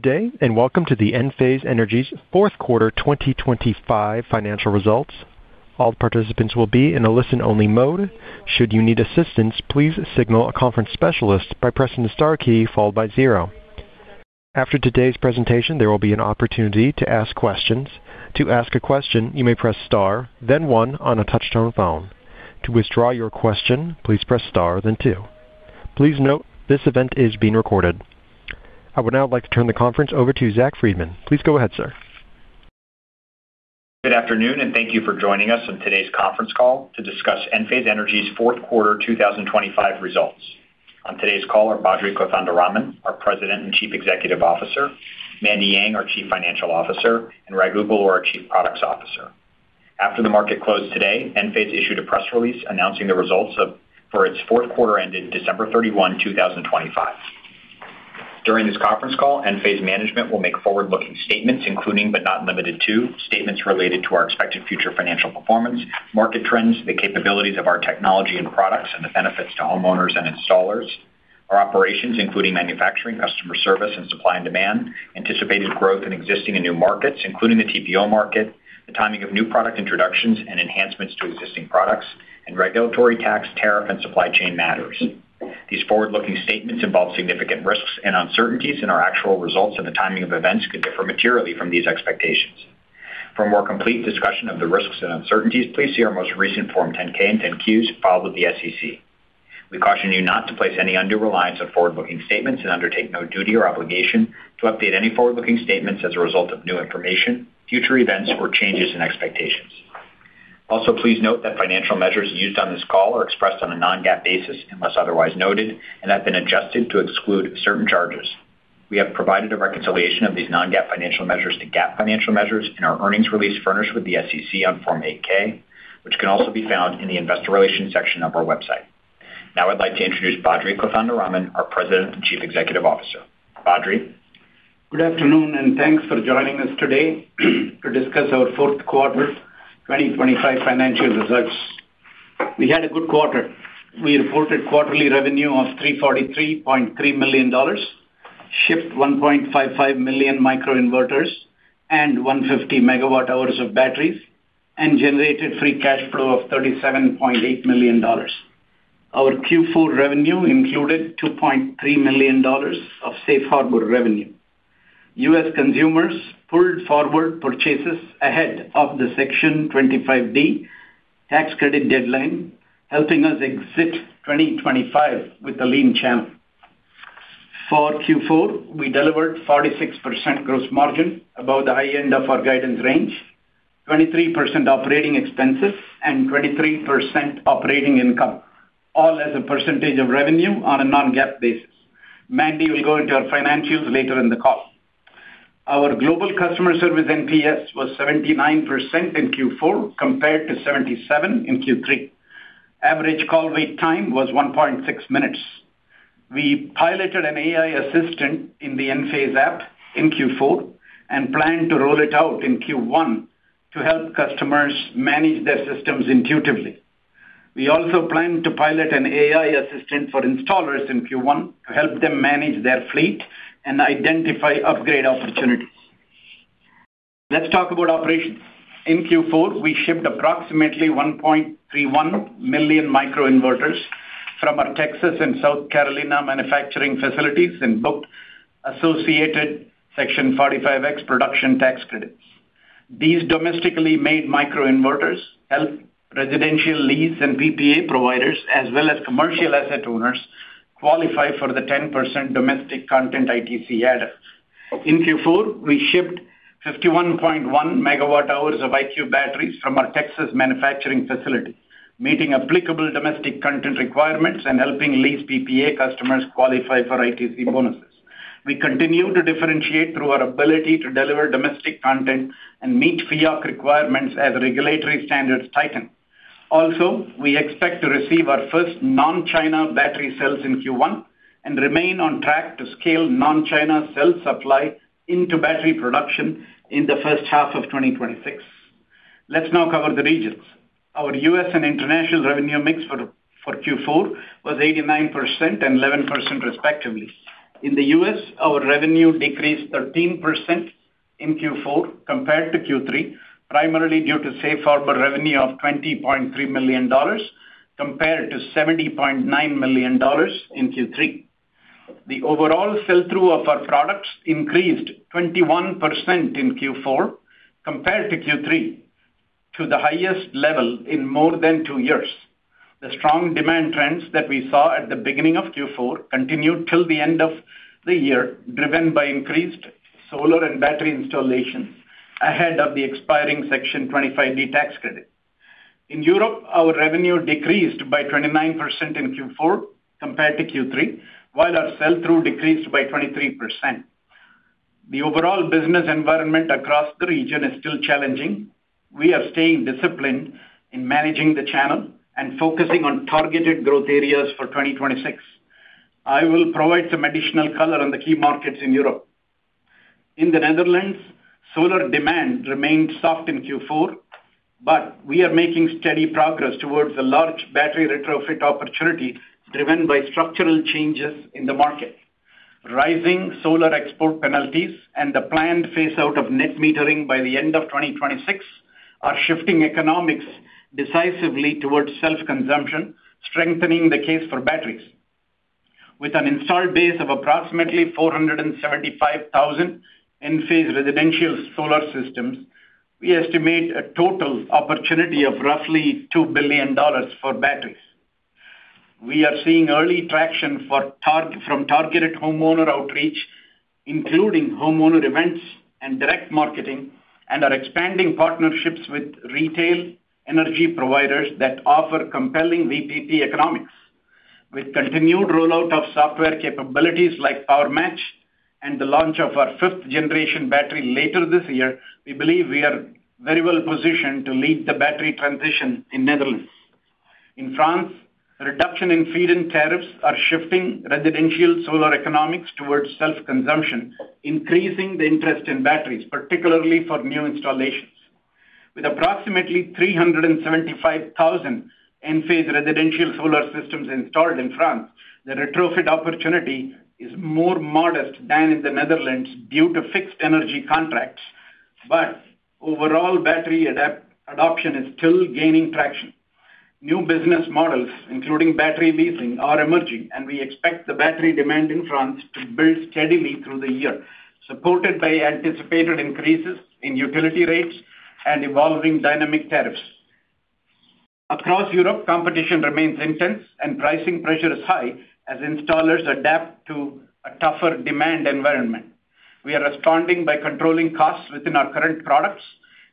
Good day and welcome to Enphase Energy's fourth quarter 2025 financial results. All participants will be in a listen-only mode. Should you need assistance, please signal a conference specialist by pressing the star key followed by zero. After today's presentation, there will be an opportunity to ask questions. To ask a question, you may press star, then 1 on a touch-tone phone. To withdraw your question, please press star, then two. Please note, this event is being recorded. I would now like to turn the conference over to Zach Freedman. Please go ahead, sir. Good afternoon, and thank you for joining us on today's conference call to discuss Enphase Energy's fourth quarter 2025 results. On today's call are Badri Kothandaraman, our President and Chief Executive Officer, Mandy Yang, our Chief Financial Officer, and Raghu Belur, our Chief Products Officer. After the market closed today, Enphase issued a press release announcing the results for its fourth quarter ended December 31, 2025. During this conference call, Enphase management will make forward-looking statements including, but not limited to, statements related to our expected future financial performance, market trends, the capabilities of our technology and products, and the benefits to homeowners and installers, our operations including manufacturing, customer service, and supply and demand, anticipated growth in existing and new markets including the TPO market, the timing of new product introductions and enhancements to existing products, and regulatory, tax, tariff, and supply chain matters. These forward-looking statements involve significant risks and uncertainties, and our actual results and the timing of events could differ materially from these expectations. For a more complete discussion of the risks and uncertainties, please see our most recent Form 10-K and 10-Qs filed with the SEC. We caution you not to place any undue reliance on forward-looking statements and undertake no duty or obligation to update any forward-looking statements as a result of new information, future events, or changes in expectations. Also, please note that financial measures used on this call are expressed on a non-GAAP basis unless otherwise noted and have been adjusted to exclude certain charges. We have provided a reconciliation of these non-GAAP financial measures to GAAP financial measures, and our earnings release furnished with the SEC on Form 8-K, which can also be found in the investor relations section of our website. Now, I'd like to introduce Badri Kothandaraman, our President and Chief Executive Officer. Badri. Good afternoon, and thanks for joining us today to discuss our fourth quarter 2025 financial results. We had a good quarter. We reported quarterly revenue of $343.3 million, shipped 1.55 million microinverters, and 150 MWh of batteries, and generated free cash flow of $37.8 million. Our Q4 revenue included $2.3 million of safe harbor revenue. U.S. consumers pulled forward purchases ahead of the Section 25D tax credit deadline, helping us exit 2025 with a lean channel. For Q4, we delivered 46% gross margin above the high end of our guidance range, 23% operating expenses, and 23% operating income, all as a percentage of revenue on a non-GAAP basis. Mandy will go into our financials later in the call. Our global customer service NPS was 79% in Q4 compared to 77% in Q3. Average call wait time was 1.6 minutes. We piloted an AI assistant in the Enphase app in Q4 and plan to roll it out in Q1 to help customers manage their systems intuitively. We also plan to pilot an AI assistant for installers in Q1 to help them manage their fleet and identify upgrade opportunities. Let's talk about operations. In Q4, we shipped approximately 1.31 million microinverters from our Texas and South Carolina manufacturing facilities and booked associated Section 45X production tax credits. These domestically made microinverters help residential lease and PPA providers as well as commercial asset owners qualify for the 10% domestic content ITC add-on. In Q4, we shipped 51.1 MWh of IQ batteries from our Texas manufacturing facility, meeting applicable domestic content requirements and helping lease PPA customers qualify for ITC bonuses. We continue to differentiate through our ability to deliver domestic content and meet FEOC requirements as regulatory standards tighten. Also, we expect to receive our first non-China battery cells in Q1 and remain on track to scale non-China cell supply into battery production in the first half of 2026. Let's now cover the regions. Our U.S. and International revenue mix for Q4 was 89% and 11% respectively. In the U.S., our revenue decreased 13% in Q4 compared to Q3 primarily due to safe harbor revenue of $20.3 million compared to $70.9 million in Q3. The overall sell-through of our products increased 21% in Q4 compared to Q3 to the highest level in more than two years. The strong demand trends that we saw at the beginning of Q4 continued till the end of the year driven by increased solar and battery installations ahead of the expiring Section 25D tax credit. In Europe, our revenue decreased by 29% in Q4 compared to Q3 while our sell-through decreased by 23%. The overall business environment across the region is still challenging. We are staying disciplined in managing the channel and focusing on targeted growth areas for 2026. I will provide some additional color on the key markets in Europe. In the Netherlands, solar demand remained soft in Q4, but we are making steady progress towards a large battery retrofit opportunity driven by structural changes in the market. Rising solar export penalties and the planned phase-out of net metering by the end of 2026 are shifting economics decisively towards self-consumption, strengthening the case for batteries. With an install base of approximately 475,000 Enphase residential solar systems, we estimate a total opportunity of roughly $2 billion for batteries. We are seeing early traction from targeted homeowner outreach including homeowner events and direct marketing and are expanding partnerships with retail energy providers that offer compelling VPP economics. With continued rollout of software capabilities like PowerMatch and the launch of our fifth-generation battery later this year, we believe we are very well positioned to lead the battery transition in Netherlands. In France, reduction in feed-in tariffs are shifting residential solar economics towards self-consumption, increasing the interest in batteries, particularly for new installations. With approximately 375,000 Enphase residential solar systems installed in France, the retrofit opportunity is more modest than in the Netherlands due to fixed energy contracts, but overall battery adoption is still gaining traction. New business models including battery leasing are emerging, and we expect the battery demand in France to build steadily through the year supported by anticipated increases in utility rates and evolving dynamic tariffs. Across Europe, competition remains intense, and pricing pressure is high as installers adapt to a tougher demand environment. We are responding by controlling costs within our current products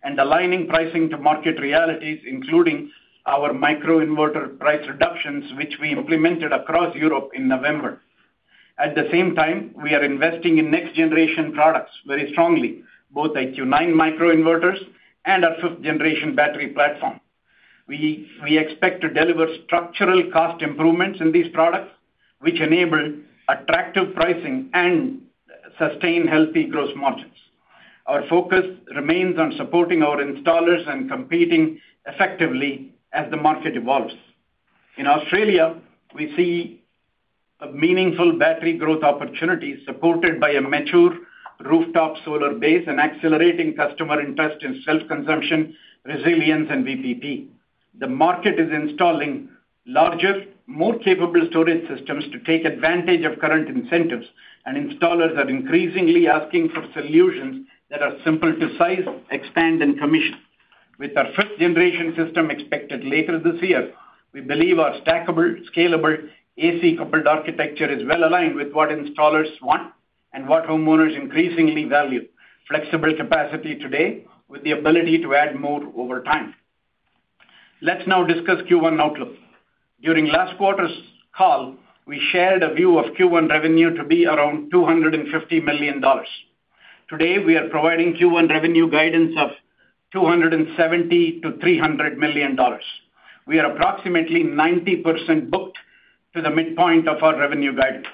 and aligning pricing to market realities including our microinverter price reductions which we implemented across Europe in November. At the same time, we are investing in next generation products very strongly, both IQ9 microinverters and our fifth-generation battery platform. We expect to deliver structural cost improvements in these products which enable attractive pricing and sustain healthy gross margins. Our focus remains on supporting our installers and competing effectively as the market evolves. In Australia, we see meaningful battery growth opportunities supported by a mature rooftop solar base and accelerating customer interest in self-consumption, resilience, and VPP. The market is installing larger, more capable storage systems to take advantage of current incentives, and installers are increasingly asking for solutions that are simple to size, expand, and commission. With our fifth generation system expected later this year, we believe our stackable, scalable AC coupled architecture is well aligned with what installers want and what homeowners increasingly value: flexible capacity today with the ability to add more over time. Let's now discuss Q1 outlook. During last quarter's call, we shared a view of Q1 revenue to be around $250 million. Today, we are providing Q1 revenue guidance of $270 million-$300 million. We are approximately 90% booked to the midpoint of our revenue guidance.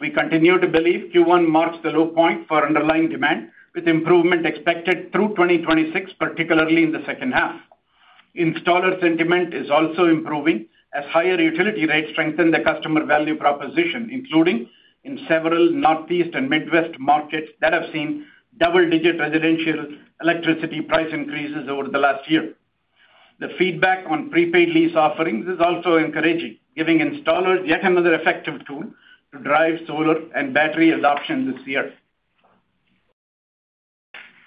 We continue to believe Q1 marks the low point for underlying demand with improvement expected through 2026, particularly in the second half. Installer sentiment is also improving as higher utility rates strengthen the customer value proposition, including in several Northeast and Midwest markets that have seen double-digit residential electricity price increases over the last year. The feedback on prepaid lease offerings is also encouraging, giving installers yet another effective tool to drive solar and battery adoption this year.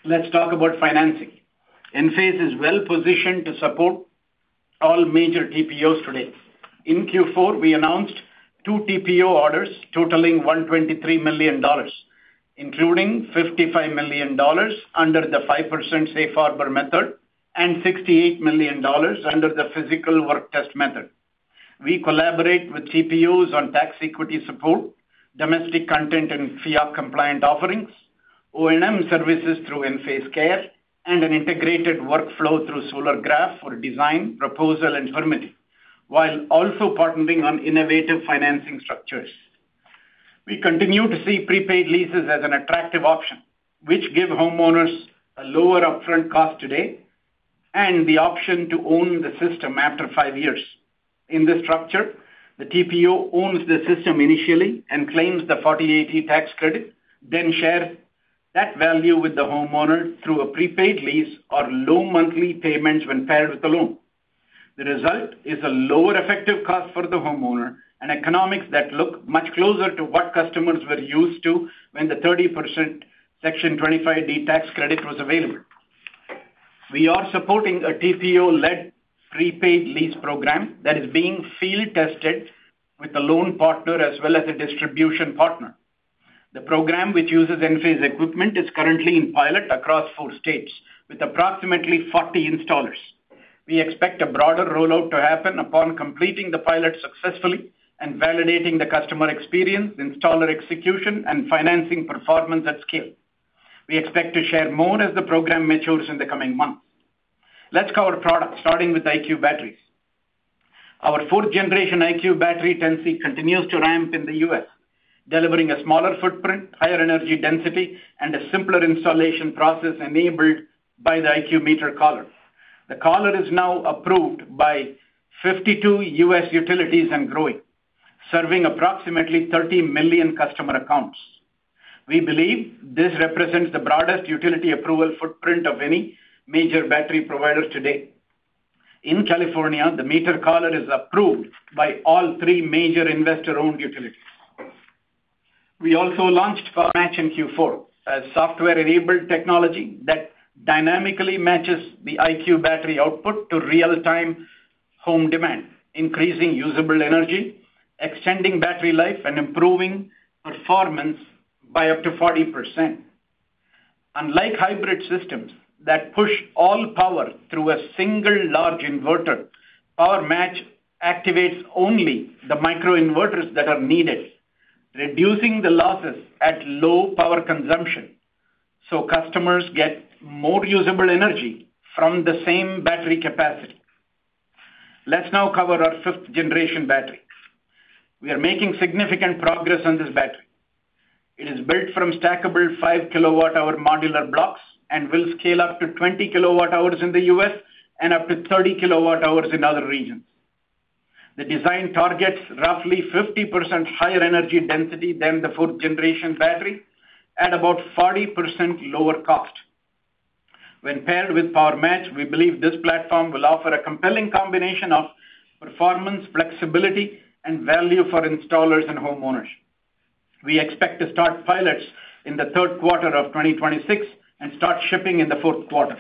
Let's talk about financing. Enphase is well positioned to support all major TPOs today. In Q4, we announced two TPO orders totaling $123 million, including $55 million under the 5% safe harbor method and $68 million under the Physical Work Test method. We collaborate with CPOs on tax equity support, domestic content and FEOC compliant offerings, OEM services through Enphase Care, and an integrated workflow through Solargraf for design, proposal, and permit while also partnering on innovative financing structures. We continue to see prepaid leases as an attractive option which give homeowners a lower upfront cost today and the option to own the system after five years. In this structure, the TPO owns the system initially and claims the 48E tax credit, then shares that value with the homeowner through a prepaid lease or low monthly payments when paired with a loan. The result is a lower effective cost for the homeowner and economics that look much closer to what customers were used to when the 30% Section 25D tax credit was available. We are supporting a TPO-led prepaid lease program that is being field tested with a loan partner as well as a distribution partner. The program which uses Enphase equipment is currently in pilot across four states with approximately 40 installers. We expect a broader rollout to happen upon completing the pilot successfully and validating the customer experience, installer execution, and financing performance at scale. We expect to share more as the program matures in the coming months. Let's cover products starting with IQ batteries. Our fourth generation IQ Battery technology continues to ramp in the U.S., delivering a smaller footprint, higher energy density, and a simpler installation process enabled by the IQ Meter Collar. The collar is now approved by 52 U.S. utilities and growing, serving approximately 30 million customer accounts. We believe this represents the broadest utility approval footprint of any major battery providers today. In California, the Meter Collar is approved by all three major investor-owned utilities. We also launched PowerMatch in Q4 as software-enabled technology that dynamically matches the IQ Battery output to real-time home demand, increasing usable energy, extending battery life, and improving performance by up to 40%. Unlike hybrid systems that push all power through a single large inverter, PowerMatch activates only the microinverters that are needed, reducing the losses at low power consumption so customers get more usable energy from the same battery capacity. Let's now cover our fifth-generation battery. We are making significant progress on this battery. It is built from stackable 5 kWh modular blocks and will scale up to 20 kWh in the U.S. and up to 30 kWh in other regions. The design targets roughly 50% higher energy density than the fourth generation battery at about 40% lower cost. When paired with PowerMatch, we believe this platform will offer a compelling combination of performance, flexibility, and value for installers and homeowners. We expect to start pilots in the third quarter of 2026 and start shipping in the fourth quarter.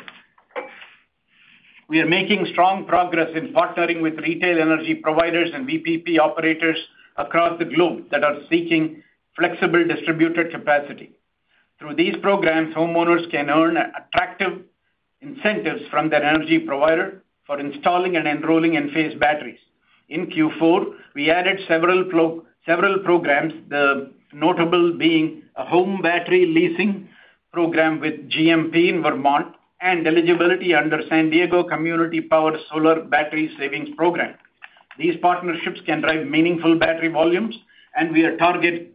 We are making strong progress in partnering with retail energy providers and VPP operators across the globe that are seeking flexible distributed capacity. Through these programs, homeowners can earn attractive incentives from their energy provider for installing and enrolling Enphase batteries. In Q4, we added several programs, the notable being a home battery leasing program with GMP in Vermont and eligibility under San Diego Community Power Solar Battery Savings Program. These partnerships can drive meaningful battery volumes, and we are targeting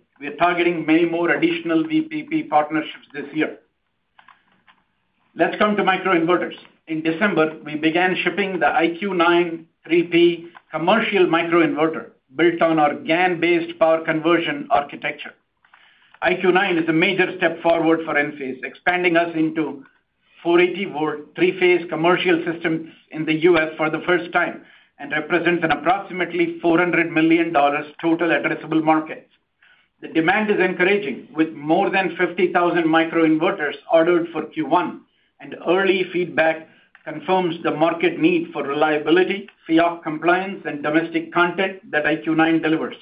many more additional VPP partnerships this year. Let's come to microinverters. In December, we began shipping the IQ9 3P commercial microinverter built on our GaN-based power conversion architecture. IQ9 is a major step forward for Enphase, expanding us into 480-volt three-phase commercial systems in the U.S. for the first time and represents an approximately $400 million total addressable market. The demand is encouraging with more than 50,000 microinverters ordered for Q1, and early feedback confirms the market need for reliability, FEOC compliance, and domestic content that IQ9 delivers.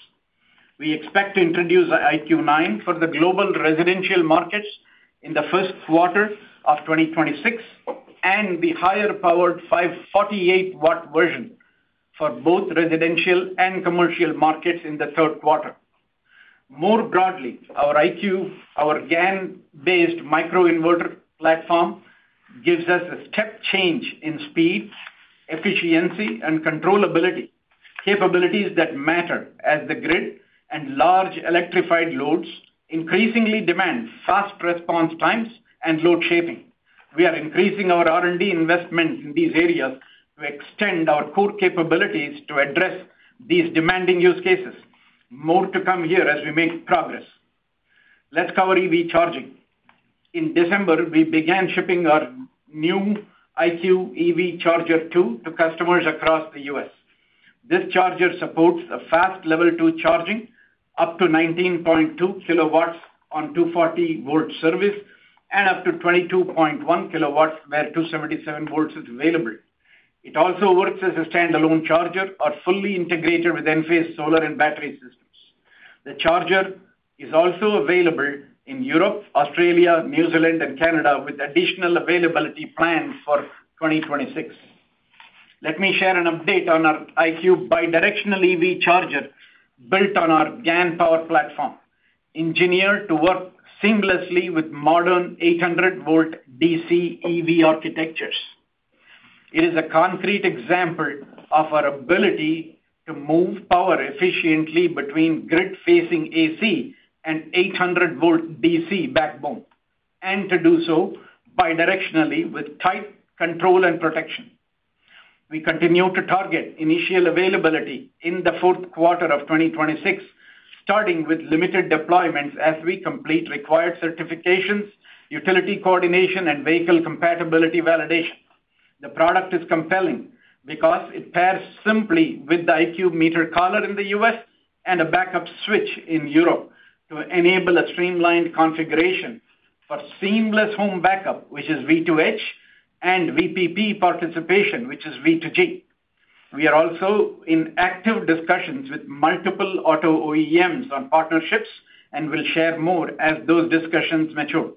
We expect to introduce IQ9 for the global residential markets in the first quarter of 2026 and the higher-powered 548 W version for both residential and commercial markets in the third quarter. More broadly, our IQ, our GaN-based microinverter platform gives us a step change in speed, efficiency, and controllability capabilities that matter as the grid and large electrified loads increasingly demand fast response times and load shaping. We are increasing our R&D investments in these areas to extend our core capabilities to address these demanding use cases. More to come here as we make progress. Let's cover EV charging. In December, we began shipping our new IQ EV Charger 2 to customers across the U.S. This charger supports a fast Level 2 charging up to 19.2 kW on 240-volt service and up to 22.1 kW where 277 volts is available. It also works as a standalone charger or fully integrated with Enphase solar and battery systems. The charger is also available in Europe, Australia, New Zealand, and Canada with additional availability plans for 2026. Let me share an update on our IQ Bidirectional EV Charger built on our GaN power platform, engineered to work seamlessly with modern 800-volt DC EV architectures. It is a concrete example of our ability to move power efficiently between grid-facing AC and 800-volt DC backbone and to do so bidirectionally with tight control and protection. We continue to target initial availability in the fourth quarter of 2026, starting with limited deployments as we complete required certifications, utility coordination, and vehicle compatibility validation. The product is compelling because it pairs simply with the IQ Meter Collar in the U.S. and a backup switch in Europe to enable a streamlined configuration for seamless home backup, which is V2H, and VPP participation, which is V2G. We are also in active discussions with multiple auto OEMs on partnerships and will share more as those discussions mature.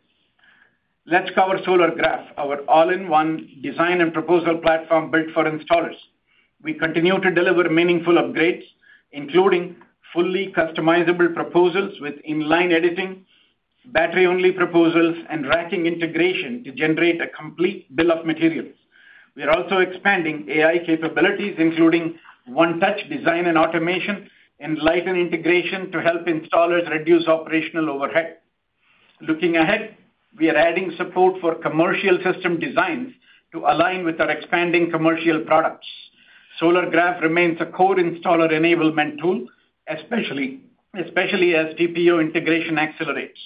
Let's cover Solargraf, our all-in-one design and proposal platform built for installers. We continue to deliver meaningful upgrades, including fully customizable proposals with inline editing, battery-only proposals, and racking integration to generate a complete bill of materials. We are also expanding AI capabilities, including one-touch design and automation, and Enlighten integration to help installers reduce operational overhead. Looking ahead, we are adding support for commercial system designs to align with our expanding commercial products. Solargraf remains a core installer enablement tool, especially as TPO integration accelerates.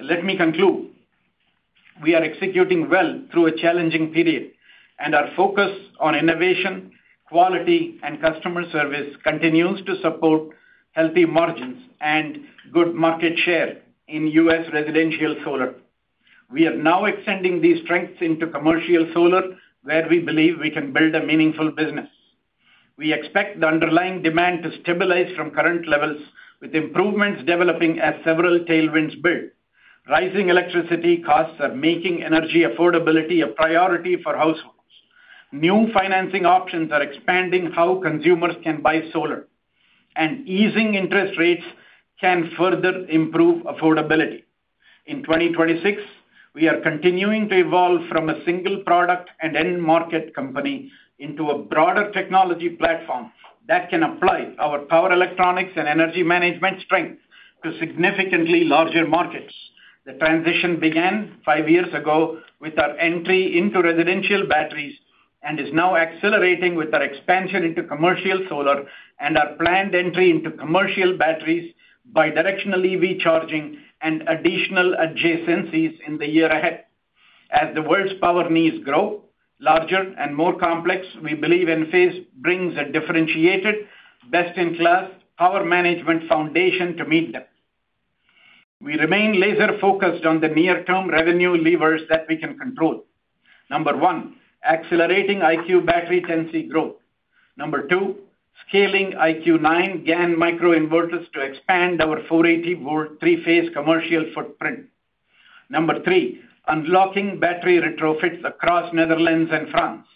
Let me conclude. We are executing well through a challenging period, and our focus on innovation, quality, and customer service continues to support healthy margins and good market share in U.S. residential solar. We are now extending these strengths into commercial solar where we believe we can build a meaningful business. We expect the underlying demand to stabilize from current levels with improvements developing as several tailwinds build. Rising electricity costs are making energy affordability a priority for households. New financing options are expanding how consumers can buy solar, and easing interest rates can further improve affordability. In 2026, we are continuing to evolve from a single product and end-market company into a broader technology platform that can apply our power electronics and energy management strength to significantly larger markets. The transition began five years ago with our entry into residential batteries and is now accelerating with our expansion into commercial solar and our planned entry into commercial batteries, bidirectional EV charging, and additional adjacencies in the year ahead. As the world's power needs grow, larger and more complex, we believe Enphase brings a differentiated, best-in-class power management foundation to meet them. We remain laser-focused on the near-term revenue levers that we can control. Number one, accelerating IQ Battery tendency growth. Number two, scaling IQ9 GaN microinverters to expand our 480-volt 3-phase commercial footprint. Number three, unlocking battery retrofits across Netherlands and France.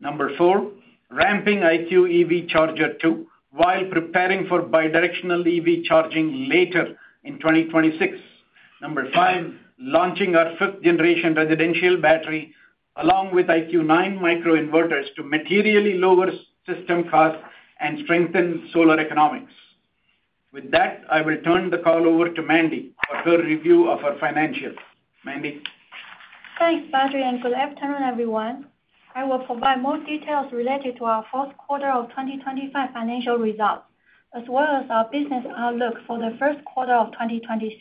Number four, ramping IQ EV Charger 2 while preparing for bidirectional EV charging later in 2026. Number five, launching our fifth generation residential battery along with IQ9 microinverters to materially lower system costs and strengthen solar economics. With that, I will turn the call over to Mandy for her review of our financials. Mandy. Thanks, Badri, and good afternoon, everyone. I will provide more details related to our fourth quarter of 2025 financial results as well as our business outlook for the first quarter of 2026.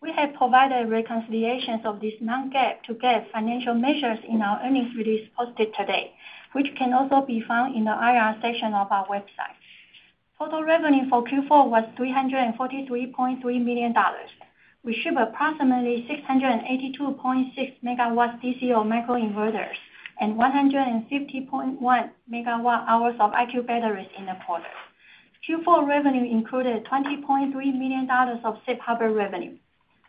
We have provided reconciliations of these non-GAAP to GAAP financial measures in our earnings release posted today, which can also be found in the IR section of our website. Total revenue for Q4 was $343.3 million. We shipped approximately 682.6 MW DC of microinverters and 150.1 MWh of IQ batteries in the quarter. Q4 revenue included $20.3 million of safe harbor revenue.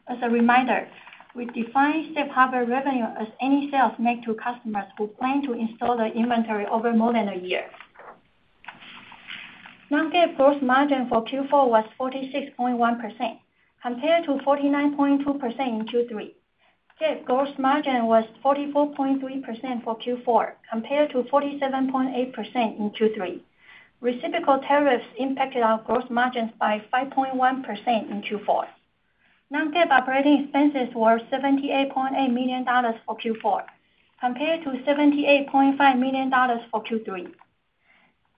As a reminder, we define safe harbor revenue as any sales made to customers who plan to install the inventory over more than a year. Non-GAAP gross margin for Q4 was 46.1% compared to 49.2% in Q3. GAAP gross margin was 44.3% for Q4 compared to 47.8% in Q3. Reciprocal tariffs impacted our gross margins by 5.1% in Q4. Non-GAAP operating expenses were $78.8 million for Q4 compared to $78.5 million for Q3.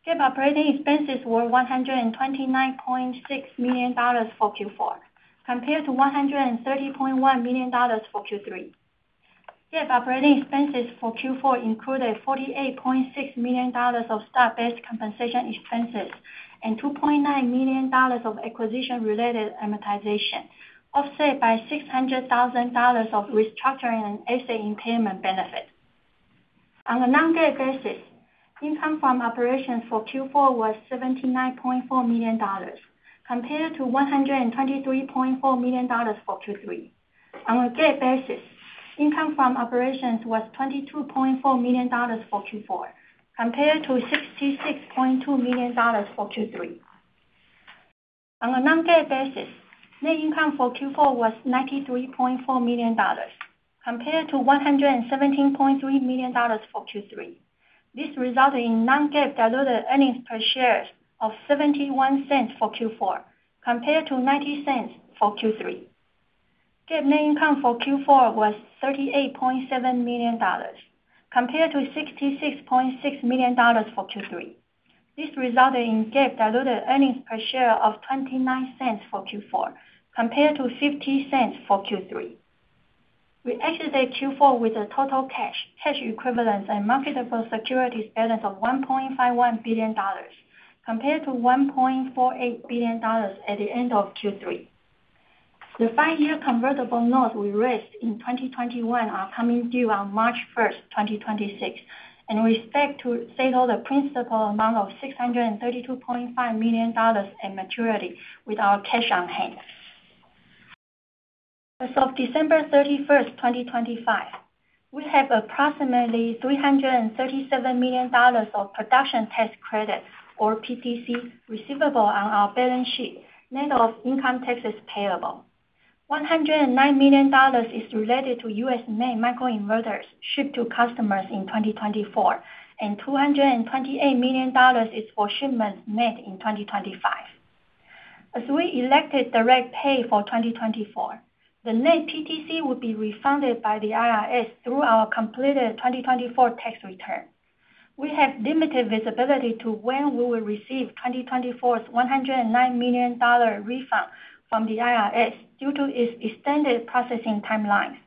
GAAP operating expenses were $129.6 million for Q4 compared to $130.1 million for Q3. GAAP operating expenses for Q4 included $48.6 million of stock-based compensation expenses and $2.9 million of acquisition-related amortization, offset by $600,000 of restructuring and asset impairment benefit. On a non-GAAP basis, income from operations for Q4 was $79.4 million compared to $123.4 million for Q3. On a GAAP basis, income from operations was $22.4 million for Q4 compared to $66.2 million for Q3. On a non-GAAP basis, net income for Q4 was $93.4 million compared to $117.3 million for Q3. This resulted in non-GAAP diluted earnings per share of $0.71 for Q4 compared to $0.90 for Q3. GAAP net income for Q4 was $38.7 million compared to $66.6 million for Q3. This resulted in GAAP diluted earnings per share of $0.29 for Q4 compared to $0.50 for Q3. We exited Q4 with a total cash, cash equivalents, and marketable securities balance of $1.51 billion compared to $1.48 billion at the end of Q3. The five-year convertible notes we raised in 2021 are coming due on March 1st, 2026, and we expect to settle the principal amount of $632.5 million at maturity with our cash on hand. As of December 31st, 2025, we have approximately $337 million of production tax credit or PTC receivable on our balance sheet net of income taxes payable. $109 million is related to U.S.-made microinverters shipped to customers in 2024, and $228 million is for shipments made in 2025. As we elected direct pay for 2024, the net PTC would be refunded by the IRS through our completed 2024 tax return. We have limited visibility to when we will receive 2024's $109 million refund from the IRS due to its extended processing timelines.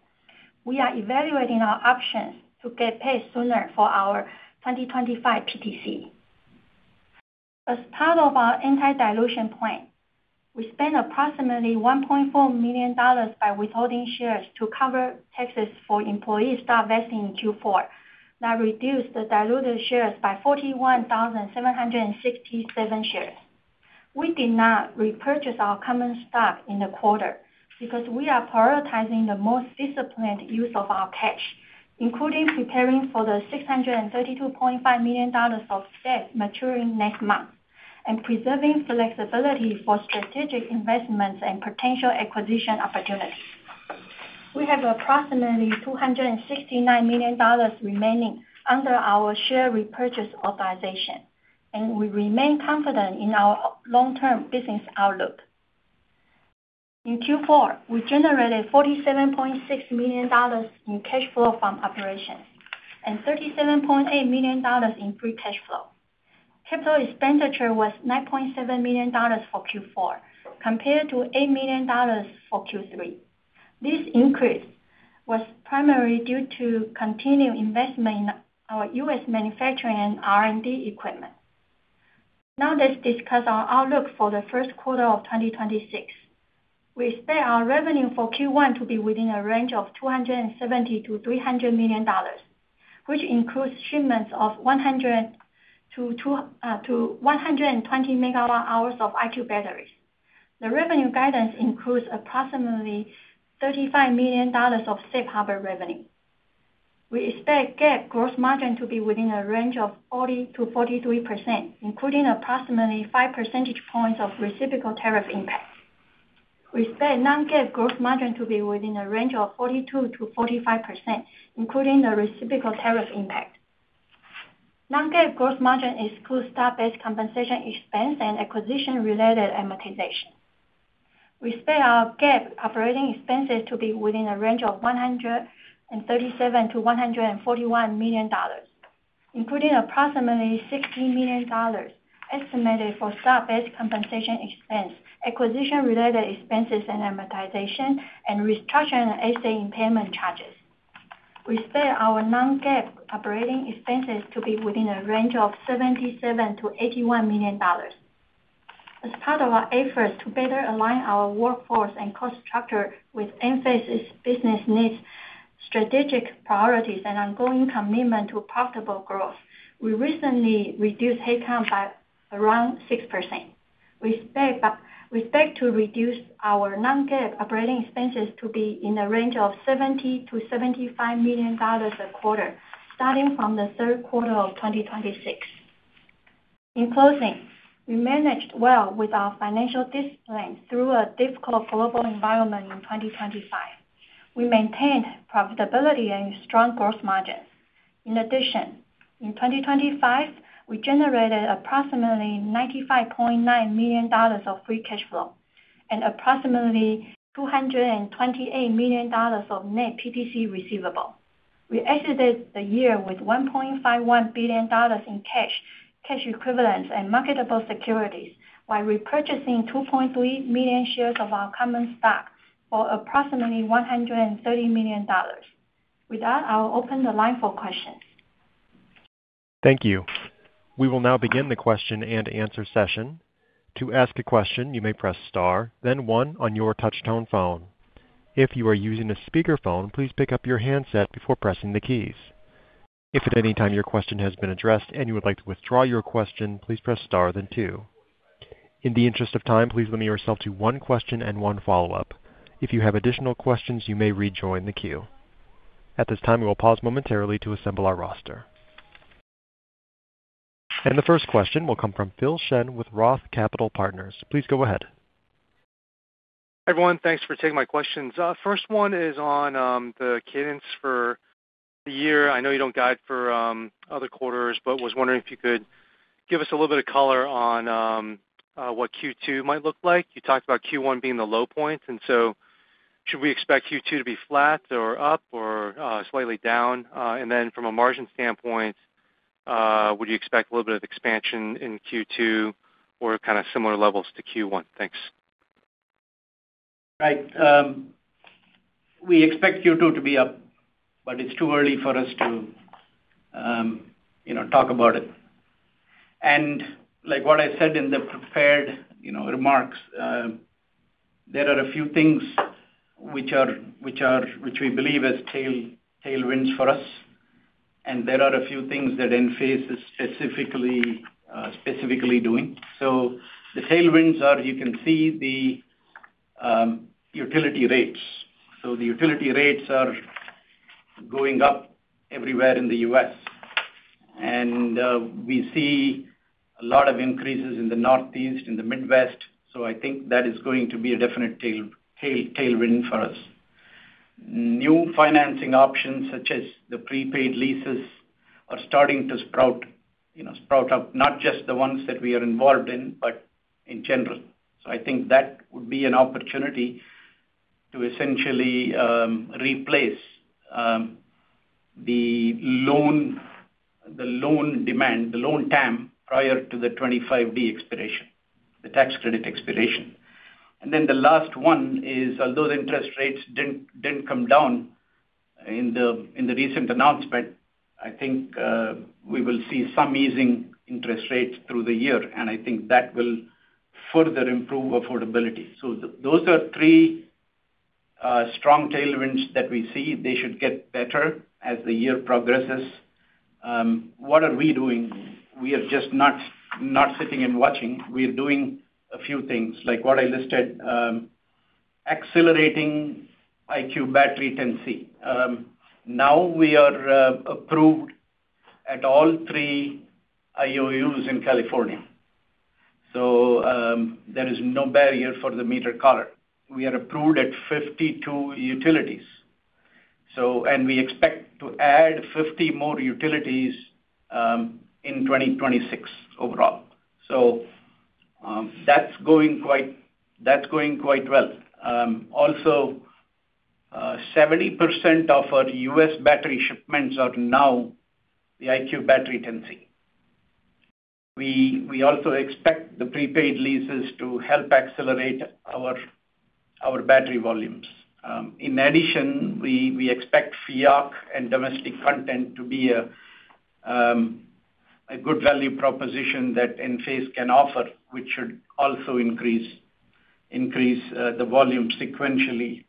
We are evaluating our options to get paid sooner for our 2025 PTC. As part of our anti-dilution plan, we spend approximately $1.4 million by withholding shares to cover taxes for employee stock vesting in Q4 that reduced the diluted shares by 41,767 shares. We did not repurchase our common stock in the quarter because we are prioritizing the most disciplined use of our cash, including preparing for the $632.5 million of debt maturing next month and preserving flexibility for strategic investments and potential acquisition opportunities. We have approximately $269 million remaining under our share repurchase authorization, and we remain confident in our long-term business outlook. In Q4, we generated $47.6 million in cash flow from operations and $37.8 million in free cash flow. Capital expenditure was $9.7 million for Q4 compared to $8 million for Q3. This increase was primarily due to continued investment in our U.S. manufacturing and R&D equipment. Now, let's discuss our outlook for the first quarter of 2026. We expect our revenue for Q1 to be within a range of $270-$300 million, which includes shipments of 120 MWh of IQ batteries. The revenue guidance includes approximately $35 million of safe harbor revenue. We expect GAAP gross margin to be within a range of 40%-43%, including approximately five percentage points of reciprocal tariff impact. We expect non-GAAP gross margin to be within a range of 42%-45%, including the reciprocal tariff impact. Non-GAAP gross margin excludes stock-based compensation expense and acquisition-related amortization. We expect our GAAP operating expenses to be within a range of $137 million-$141 million, including approximately $60 million estimated for stock-based compensation expense, acquisition-related expenses and amortization, and restructuring and asset impairment charges. We expect our non-GAAP operating expenses to be within a range of $77 million-$81 million. As part of our efforts to better align our workforce and cost structure with Enphase's business needs, strategic priorities, and ongoing commitment to profitable growth, we recently reduced headcount by around 6%. We expect to reduce our non-GAAP operating expenses to be in the range of $70 million-$75 million a quarter, starting from the third quarter of 2026. In closing, we managed well with our financial discipline through a difficult global environment in 2025. We maintained profitability and strong gross margins. In addition, in 2025, we generated approximately $95.9 million of free cash flow and approximately $228 million of net PTC receivable. We exited the year with $1.51 billion in cash, cash equivalents, and marketable securities while repurchasing 2.3 million shares of our common stock for approximately $130 million. With that, I will open the line for questions. Thank you. We will now begin the question-and-answer session. To ask a question, you may press star, then one on your touch-tone phone. If you are using a speakerphone, please pick up your handset before pressing the keys. If at any time your question has been addressed and you would like to withdraw your question, please press star, then two. In the interest of time, please limit yourself to one question and one follow-up. If you have additional questions, you may rejoin the queue. At this time, we will pause momentarily to assemble our roster. The first question will come from Phil Shen with Roth Capital Partners. Please go ahead. Hi everyone. Thanks for taking my questions. First one is on the cadence for the year. I know you don't guide for other quarters, but was wondering if you could give us a little bit of color on what Q2 might look like. You talked about Q1 being the low point. And so should we expect Q2 to be flat or up or slightly down? And then from a margin standpoint, would you expect a little bit of expansion in Q2 or kind of similar levels to Q1? Thanks. Right. We expect Q2 to be up, but it's too early for us to talk about it. And like what I said in the prepared remarks, there are a few things which we believe as tailwinds for us. And there are a few things that Enphase is specifically doing. So the tailwinds are, you can see the utility rates. So the utility rates are going up everywhere in the U.S. And we see a lot of increases in the Northeast, in the Midwest. So I think that is going to be a definite tailwind for us. New financing options such as the prepaid leases are starting to sprout up, not just the ones that we are involved in, but in general. So I think that would be an opportunity to essentially replace the loan demand, the loan TAM prior to the 25D expiration, the tax credit expiration. And then the last one is, although the interest rates didn't come down in the recent announcement, I think we will see some easing interest rates through the year. I think that will further improve affordability. So those are three strong tailwinds that we see. They should get better as the year progresses. What are we doing? We are just not sitting and watching. We are doing a few things. Like what I listed, accelerating IQ Battery 10C. Now we are approved at all three IOUs in California. So there is no barrier for the IQ Meter Collar. We are approved at 52 utilities. We expect to add 50 more utilities in 2026 overall. So that's going quite well. Also, 70% of our U.S. battery shipments are now the IQ Battery 10C. We also expect the prepaid leases to help accelerate our battery volumes. In addition, we expect FEOC and domestic content to be a good value proposition that Enphase can offer, which should also increase the volume sequentially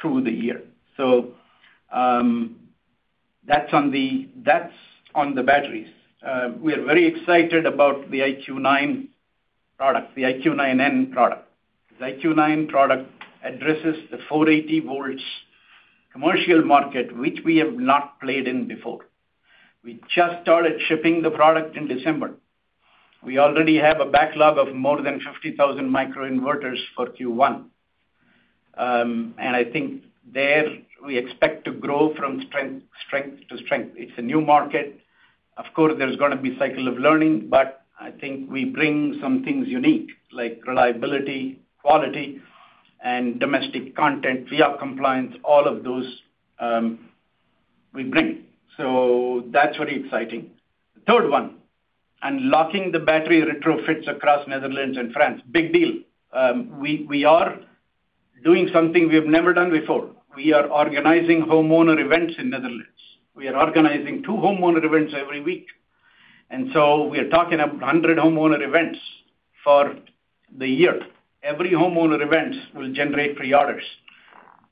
through the year. So that's on the batteries. We are very excited about the IQ9 product, the IQ9N product. The IQ9 product addresses the 480 volts commercial market, which we have not played in before. We just started shipping the product in December. We already have a backlog of more than 50,000 microinverters for Q1. And I think there we expect to grow from strength to strength. It's a new market. Of course, there's going to be cycle of learning, but I think we bring some things unique like reliability, quality, and domestic content, FEOC compliance, all of those we bring. So that's very exciting. The third one, unlocking the battery retrofits across Netherlands and France, big deal. We are doing something we have never done before. We are organizing homeowner events in Netherlands. We are organizing two homeowner events every week. And so we are talking about 100 homeowner events for the year. Every homeowner event will generate preorders.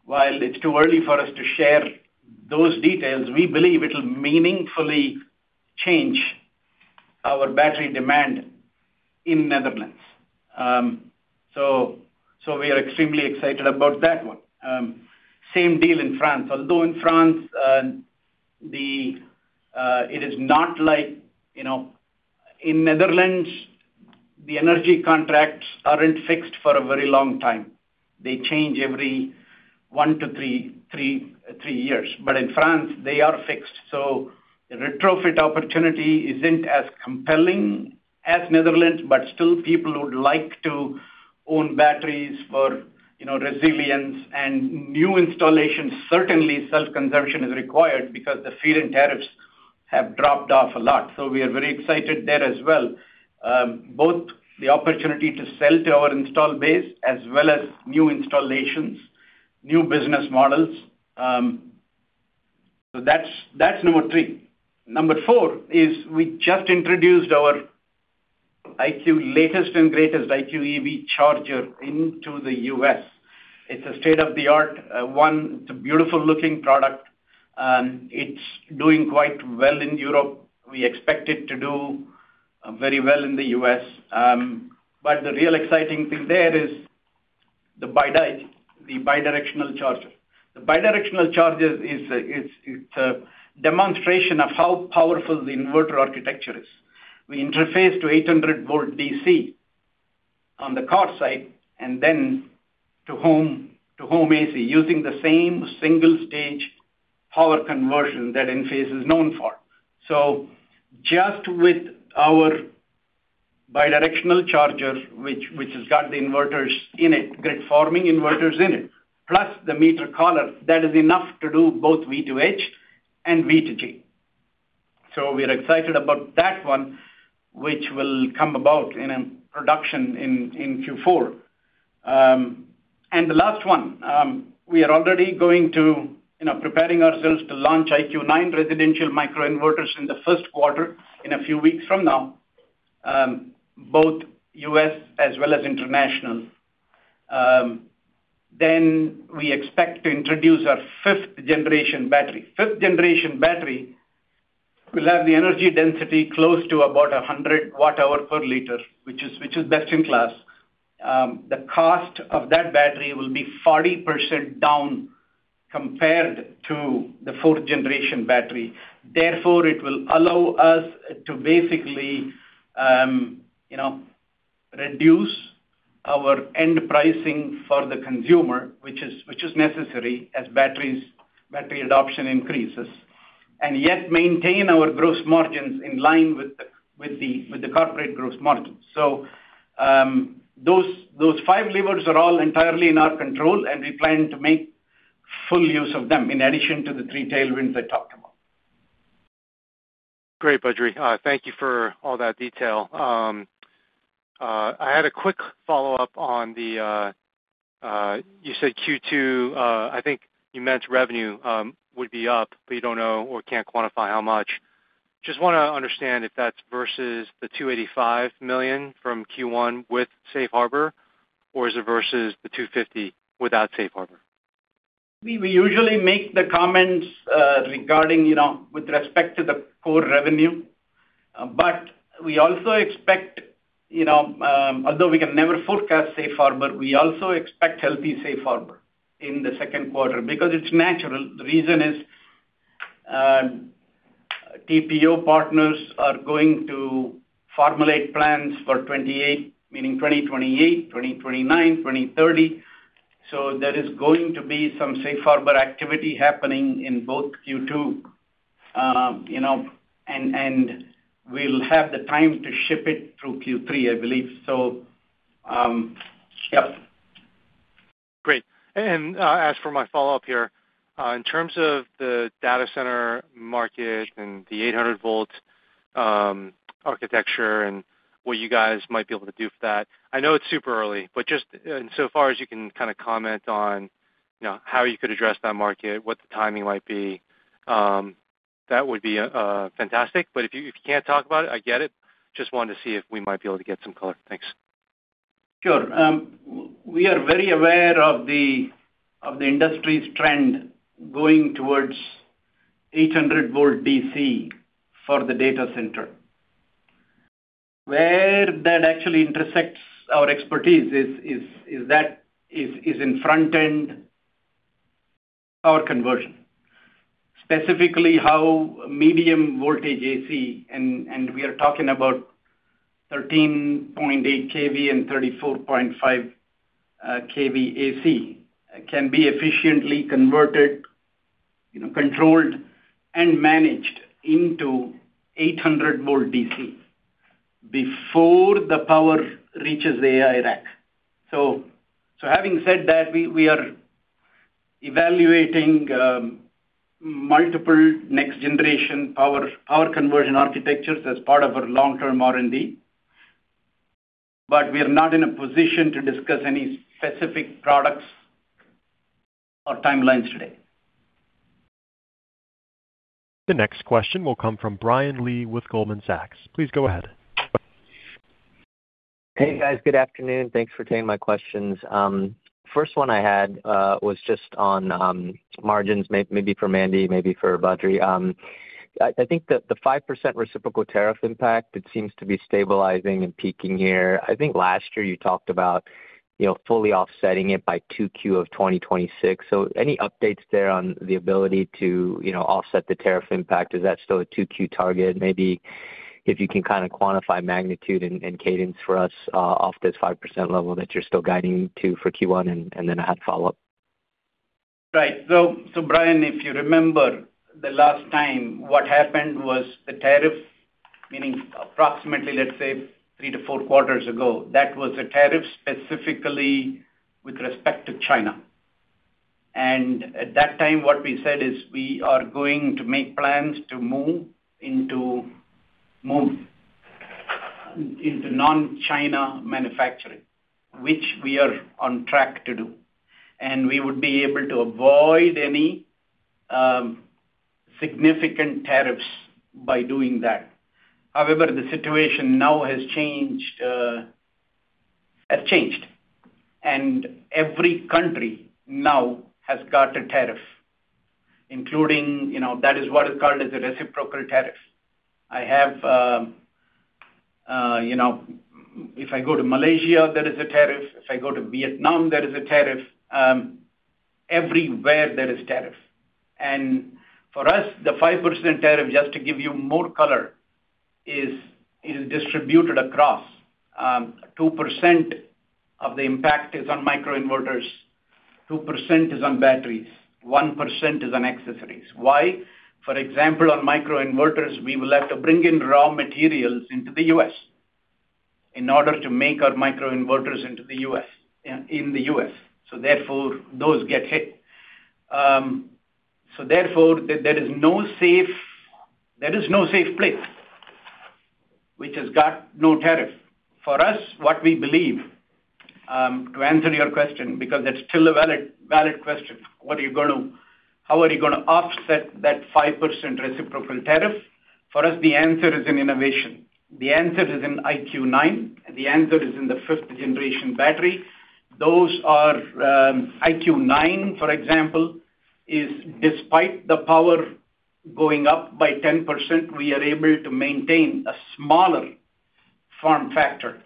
While it's too early for us to share those details, we believe it will meaningfully change our battery demand in Netherlands. So we are extremely excited about that one. Same deal in France. Although in France, it is not like in Netherlands, the energy contracts aren't fixed for a very long time. They change every one to three years. But in France, they are fixed. So the retrofit opportunity isn't as compelling as Netherlands, but still, people would like to own batteries for resilience and new installation. Certainly, self-consumption is required because the feed-in tariffs have dropped off a lot. So we are very excited there as well, both the opportunity to sell to our install base as well as new installations, new business models. So that's number three. Number four is we just introduced our IQ latest and greatest IQ EV Charger into the U.S. It's a state-of-the-art one. It's a beautiful-looking product. It's doing quite well in Europe. We expect it to do very well in the U.S. But the real exciting thing there is the bidirectional charger. The bidirectional charger is a demonstration of how powerful the inverter architecture is. We interface to 800-volt DC on the car side and then to home AC using the same single-stage power conversion that Enphase is known for. So just with our bidirectional charger, which has got the inverters in it, grid-forming inverters in it, plus the Meter Collar, that is enough to do both V2H and V2G. So we are excited about that one, which will come about in production in Q4. And the last one, we are already going to preparing ourselves to launch IQ9 residential microinverters in the first quarter in a few weeks from now, both U.S. as well as International. Then we expect to introduce our fifth-generation battery. Fifth-generation battery will have the energy density close to about 100 watt-hour per liter, which is best in class. The cost of that battery will be 40% down compared to the fourth-generation battery. Therefore, it will allow us to basically reduce our end pricing for the consumer, which is necessary as battery adoption increases, and yet maintain our gross margins in line with the corporate gross margins. So those five levers are all entirely in our control, and we plan to make full use of them in addition to the three tailwinds I talked about. Great, Badri. Thank you for all that detail. I had a quick follow-up on what you said Q2. I think you mentioned revenue would be up, but you don't know or can't quantify how much. Just want to understand if that's versus the $285 million from Q1 with safe harbor, or is it versus the $250 million without safe harbor? We usually make the comments regarding with respect to the core revenue. But we also expect, although we can never forecast safe harbor, we also expect healthy safe harbor in the second quarter because it's natural. The reason is TPO partners are going to formulate plans for 2028, meaning 2028, 2029, 2030. So there is going to be some safe harbor activity happening in both Q2. And we'll have the time to ship it through Q3, I believe. So yep. Great. And as for my follow-up here, in terms of the data center market and the 800-volt architecture and what you guys might be able to do for that, I know it's super early, but just insofar as you can kind of comment on how you could address that market, what the timing might be, that would be fantastic. But if you can't talk about it, I get it. Just wanted to see if we might be able to get some color. Thanks. Sure. We are very aware of the industry's trend going towards 800-volt DC for the data center. Where that actually intersects our expertise is in front-end power conversion, specifically how medium voltage AC, and we are talking about 13.8 kV and 34.5 kV AC, can be efficiently converted, controlled, and managed into 800-volt DC before the power reaches the AI rack. So having said that, we are evaluating multiple next-generation power conversion architectures as part of our long-term R&D. But we are not in a position to discuss any specific products or timelines today. The next question will come from Brian Lee with Goldman Sachs. Please go ahead. Hey guys. Good afternoon. Thanks for taking my questions. First one I had was just on margins, maybe for Mandy, maybe for Badri. I think the 5% reciprocal tariff impact, it seems to be stabilizing and peaking here. I think last year you talked about fully offsetting it by 2Q of 2026. So any updates there on the ability to offset the tariff impact? Is that still a 2Q target? Maybe if you can kind of quantify magnitude and cadence for us off this 5% level that you're still guiding to for Q1, and then I had a follow-up. Right. So Brian, if you remember the last time, what happened was the tariff, meaning approximately, let's say, three to four quarters ago, that was a tariff specifically with respect to China. And at that time, what we said is we are going to make plans to move into non-China manufacturing, which we are on track to do. And we would be able to avoid any significant tariffs by doing that. However, the situation now has changed. And every country now has got a tariff, including that is what is called as a reciprocal tariff. If I go to Malaysia, there is a tariff. If I go to Vietnam, there is a tariff. Everywhere, there is tariff. And for us, the 5% tariff, just to give you more color, is distributed across 2% of the impact is on microinverters, 2% is on batteries, 1% is on accessories. Why? For example, on microinverters, we will have to bring in raw materials into the U.S. in order to make our microinverters in the U.S. So therefore, those get hit. So therefore, there is no safe place, which has got no tariff. For us, what we believe to answer your question because that's still a valid question, how are you going to offset that 5% reciprocal tariff? For us, the answer is in innovation. The answer is in IQ9. The answer is in the fifth-generation battery. Those are IQ9, for example, is despite the power going up by 10%, we are able to maintain a smaller form factor.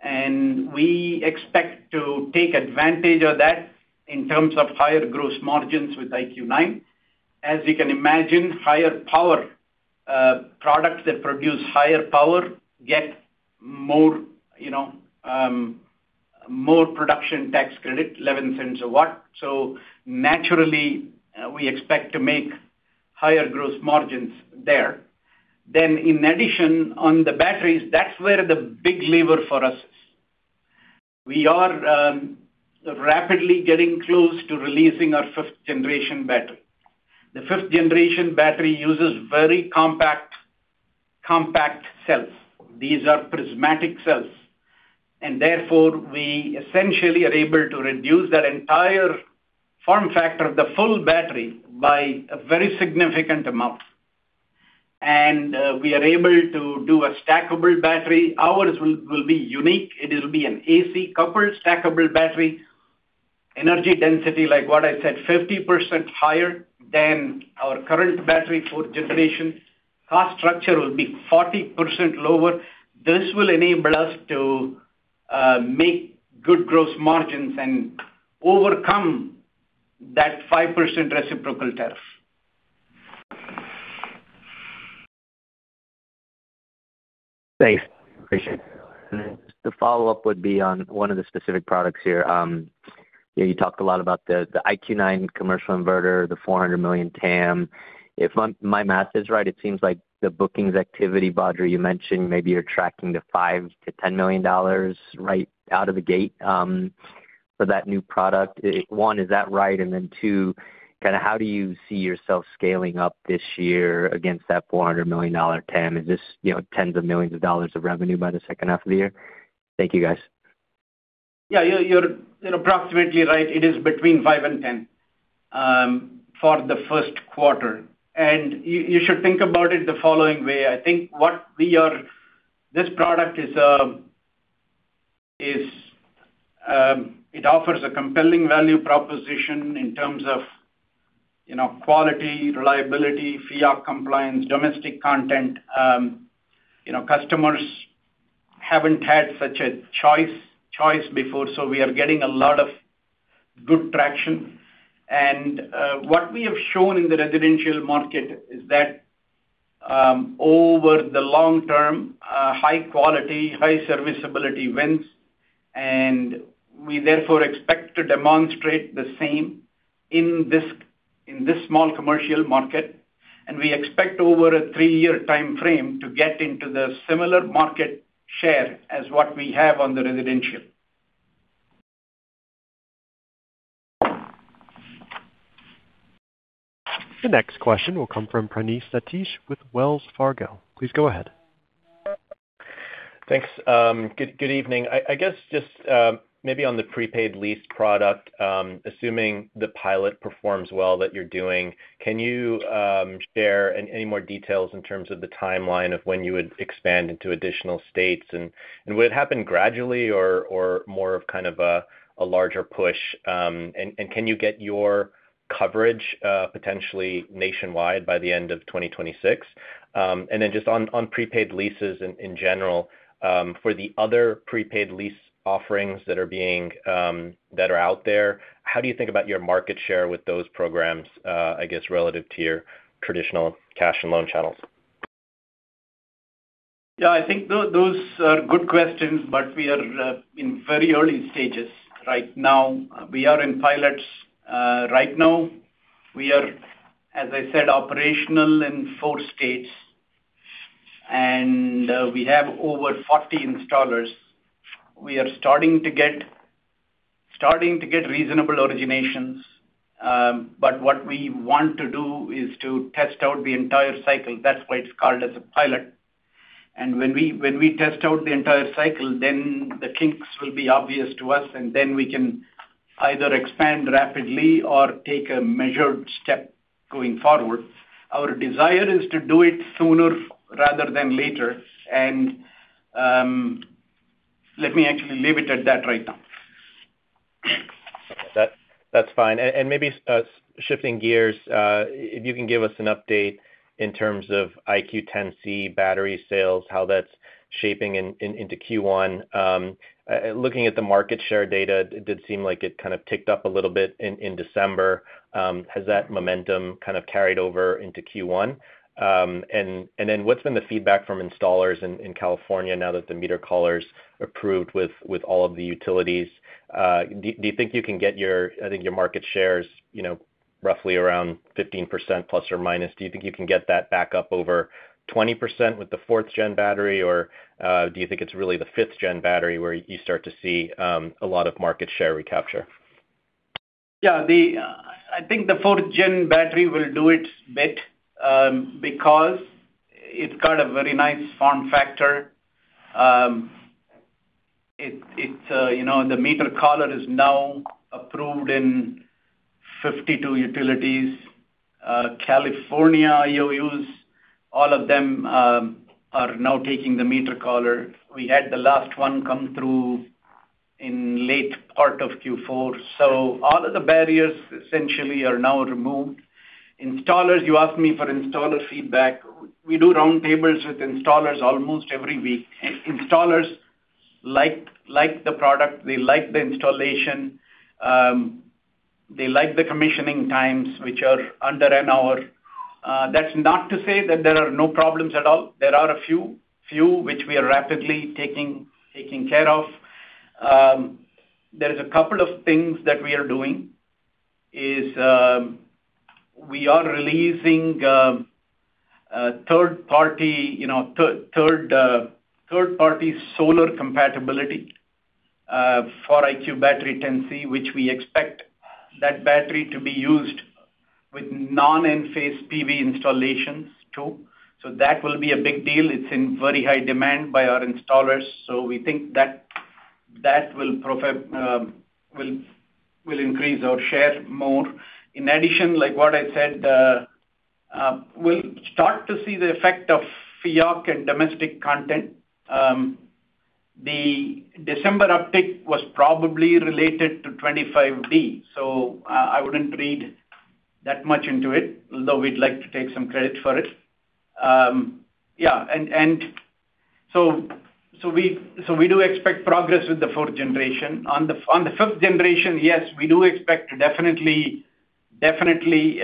And we expect to take advantage of that in terms of higher gross margins with IQ9. As you can imagine, higher power products that produce higher power get more production tax credit, $0.11 a watt. So naturally, we expect to make higher gross margins there. Then in addition, on the batteries, that's where the big lever for us is. We are rapidly getting close to releasing our fifth-generation battery. The fifth-generation battery uses very compact cells. These are prismatic cells. And therefore, we essentially are able to reduce that entire form factor of the full battery by a very significant amount. And we are able to do a stackable battery. Ours will be unique. It will be an AC-coupled stackable battery. Energy density, like what I said, 50% higher than our current battery fourth generation. Cost structure will be 40% lower. This will enable us to make good gross margins and overcome that 5% reciprocal tariff. Thanks. Appreciate it. And then just the follow-up would be on one of the specific products here. You talked a lot about the IQ9 commercial inverter, the $400 million TAM. If my math is right, it seems like the bookings activity, Badri, you mentioned, maybe you're tracking the $5 million-$10 million right out of the gate for that new product. One, is that right? And then two, kind of how do you see yourself scaling up this year against that $400 million TAM? Is this tens of millions of dollars of revenue by the second half of the year? Thank you, guys. Yeah. You're approximately right. It is between $5 million and $10 million for the first quarter. You should think about it the following way. I think what we are this product is it offers a compelling value proposition in terms of quality, reliability, FEOC compliance, domestic content. Customers haven't had such a choice before. So we are getting a lot of good traction. What we have shown in the residential market is that over the long term, high quality, high serviceability wins. We therefore expect to demonstrate the same in this small commercial market. We expect over a three-year time frame to get into the similar market share as what we have on the residential. The next question will come from Praneeth Satish with Wells Fargo. Please go ahead. Thanks. Good evening. I guess just maybe on the prepaid lease product, assuming the pilot performs well that you're doing, can you share any more details in terms of the timeline of when you would expand into additional states? And would it happen gradually or more of kind of a larger push? And can you get your coverage potentially nationwide by the end of 2026? And then just on prepaid leases in general, for the other prepaid lease offerings that are out there, how do you think about your market share with those programs, I guess, relative to your traditional cash and loan channels? Yeah. I think those are good questions, but we are in very early stages. Right now, we are in pilots. Right now, we are, as I said, operational in four states. And we have over 40 installers. We are starting to get reasonable originations. But what we want to do is to test out the entire cycle. That's why it's called as a pilot. And when we test out the entire cycle, then the kinks will be obvious to us. And then we can either expand rapidly or take a measured step going forward. Our desire is to do it sooner rather than later. And let me actually leave it at that right now. That's fine. And maybe shifting gears, if you can give us an update in terms of IQ 10C Battery sales, how that's shaping into Q1. Looking at the market share data, it did seem like it kind of ticked up a little bit in December. Has that momentum kind of carried over into Q1? And then what's been the feedback from installers in California now that the Meter Collars approved with all of the utilities? Do you think you can get your I think your market share is roughly around 15%±. Do you think you can get that back up over 20% with the fourth-gen battery? Or do you think it's really the fifth-gen battery where you start to see a lot of market share recapture? Yeah. I think the fourth-gen battery will do it a bit because it's got a very nice form factor. The Meter Collar is now approved in 52 utilities. California IOUs, all of them are now taking the Meter Collar. We had the last one come through in late part of Q4. So all of the barriers, essentially, are now removed. You asked me for installer feedback. We do roundtables with installers almost every week. Installers like the product. They like the installation. They like the commissioning times, which are under an hour. That's not to say that there are no problems at all. There are a few, which we are rapidly taking care of. There is a couple of things that we are doing. We are releasing third-party solar compatibility for IQ Battery 10C, which we expect that battery to be used with non-Enphase EV installations too. So that will be a big deal. It's in very high demand by our installers. So we think that will increase our share more. In addition, like what I said, we'll start to see the effect of FEOC and domestic content. The December uptick was probably related to 25D. So I wouldn't read that much into it, although we'd like to take some credit for it. Yeah. And so we do expect progress with the fourth generation. On the fifth generation, yes, we do expect to definitely, definitely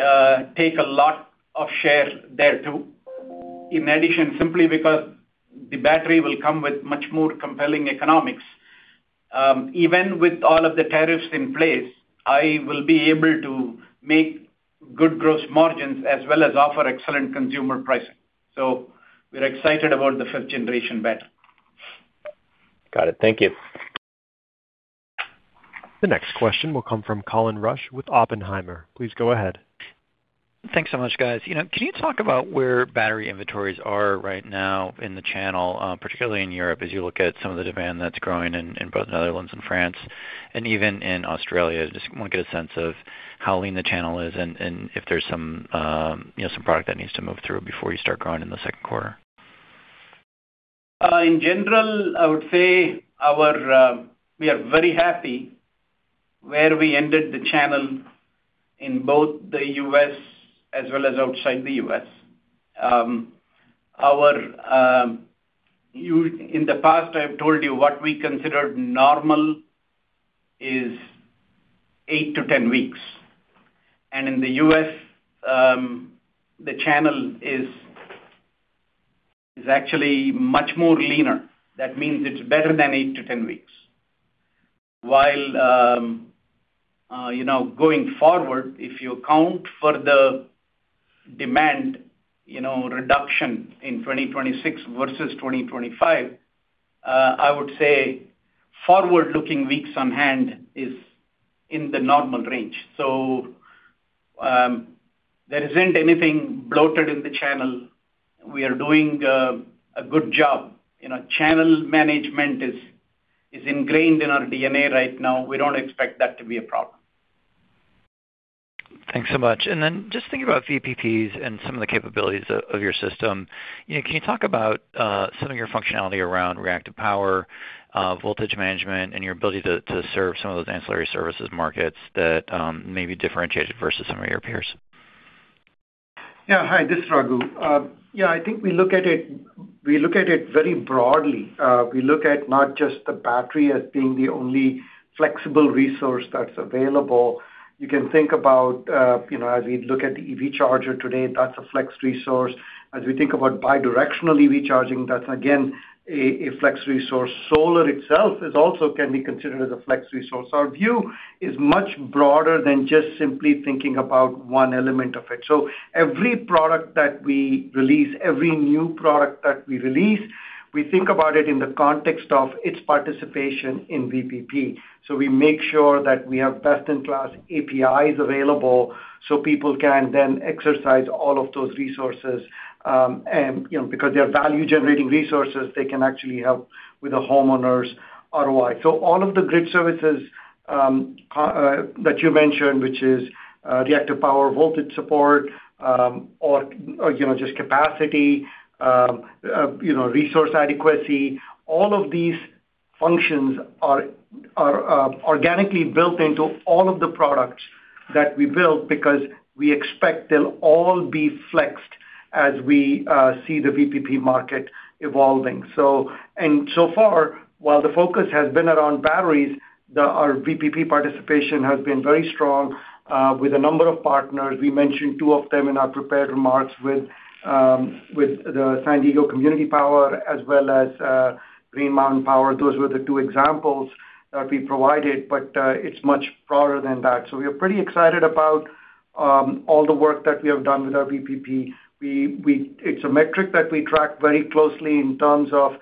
take a lot of share there too, in addition, simply because the battery will come with much more compelling economics. Even with all of the tariffs in place, I will be able to make good gross margins as well as offer excellent consumer pricing. So we're excited about the fifth-generation battery. Got it. Thank you. The next question will come from Colin Rusch with Oppenheimer. Please go ahead. Thanks so much, guys. Can you talk about where battery inventories are right now in the channel, particularly in Europe, as you look at some of the demand that's growing in both Netherlands and France and even in Australia? I just want to get a sense of how lean the channel is and if there's some product that needs to move through before you start growing in the second quarter. In general, I would say we are very happy where we ended the channel in both the U.S. as well as outside the U.S. In the past, I've told you what we considered normal is eight to 10 weeks. In the .US., the channel is actually much more leaner. That means it's better than eight to 10 weeks. While going forward, if you account for the demand reduction in 2026 versus 2025, I would say forward-looking weeks on hand is in the normal range. So there isn't anything bloated in the channel. We are doing a good job. Channel management is ingrained in our DNA right now. We don't expect that to be a problem. Thanks so much. And then just thinking about VPPs and some of the capabilities of your system, can you talk about some of your functionality around reactive power, voltage management, and your ability to serve some of those ancillary services markets that may be differentiated versus some of your peers? Yeah. Hi. This is Raghu. Yeah. I think we look at it very broadly. We look at not just the battery as being the only flexible resource that's available. You can think about, as we look at the EV charger today, that's a flex resource. As we think about bidirectional EV charging, that's, again, a flex resource. Solar itself also can be considered as a flex resource. Our view is much broader than just simply thinking about one element of it. So every product that we release, every new product that we release, we think about it in the context of its participation in VPP. So we make sure that we have best-in-class APIs available so people can then exercise all of those resources. And because they are value-generating resources, they can actually help with the homeowner's ROI. So all of the grid services that you mentioned, which is reactive power, voltage support, or just capacity, resource adequacy, all of these functions are organically built into all of the products that we build because we expect they'll all be flexed as we see the VPP market evolving. And so far, while the focus has been around batteries, our VPP participation has been very strong with a number of partners. We mentioned two of them in our prepared remarks with the San Diego Community Power as well as Green Mountain Power. Those were the two examples that we provided. But it's much broader than that. So we are pretty excited about all the work that we have done with our VPP. It's a metric that we track very closely in terms of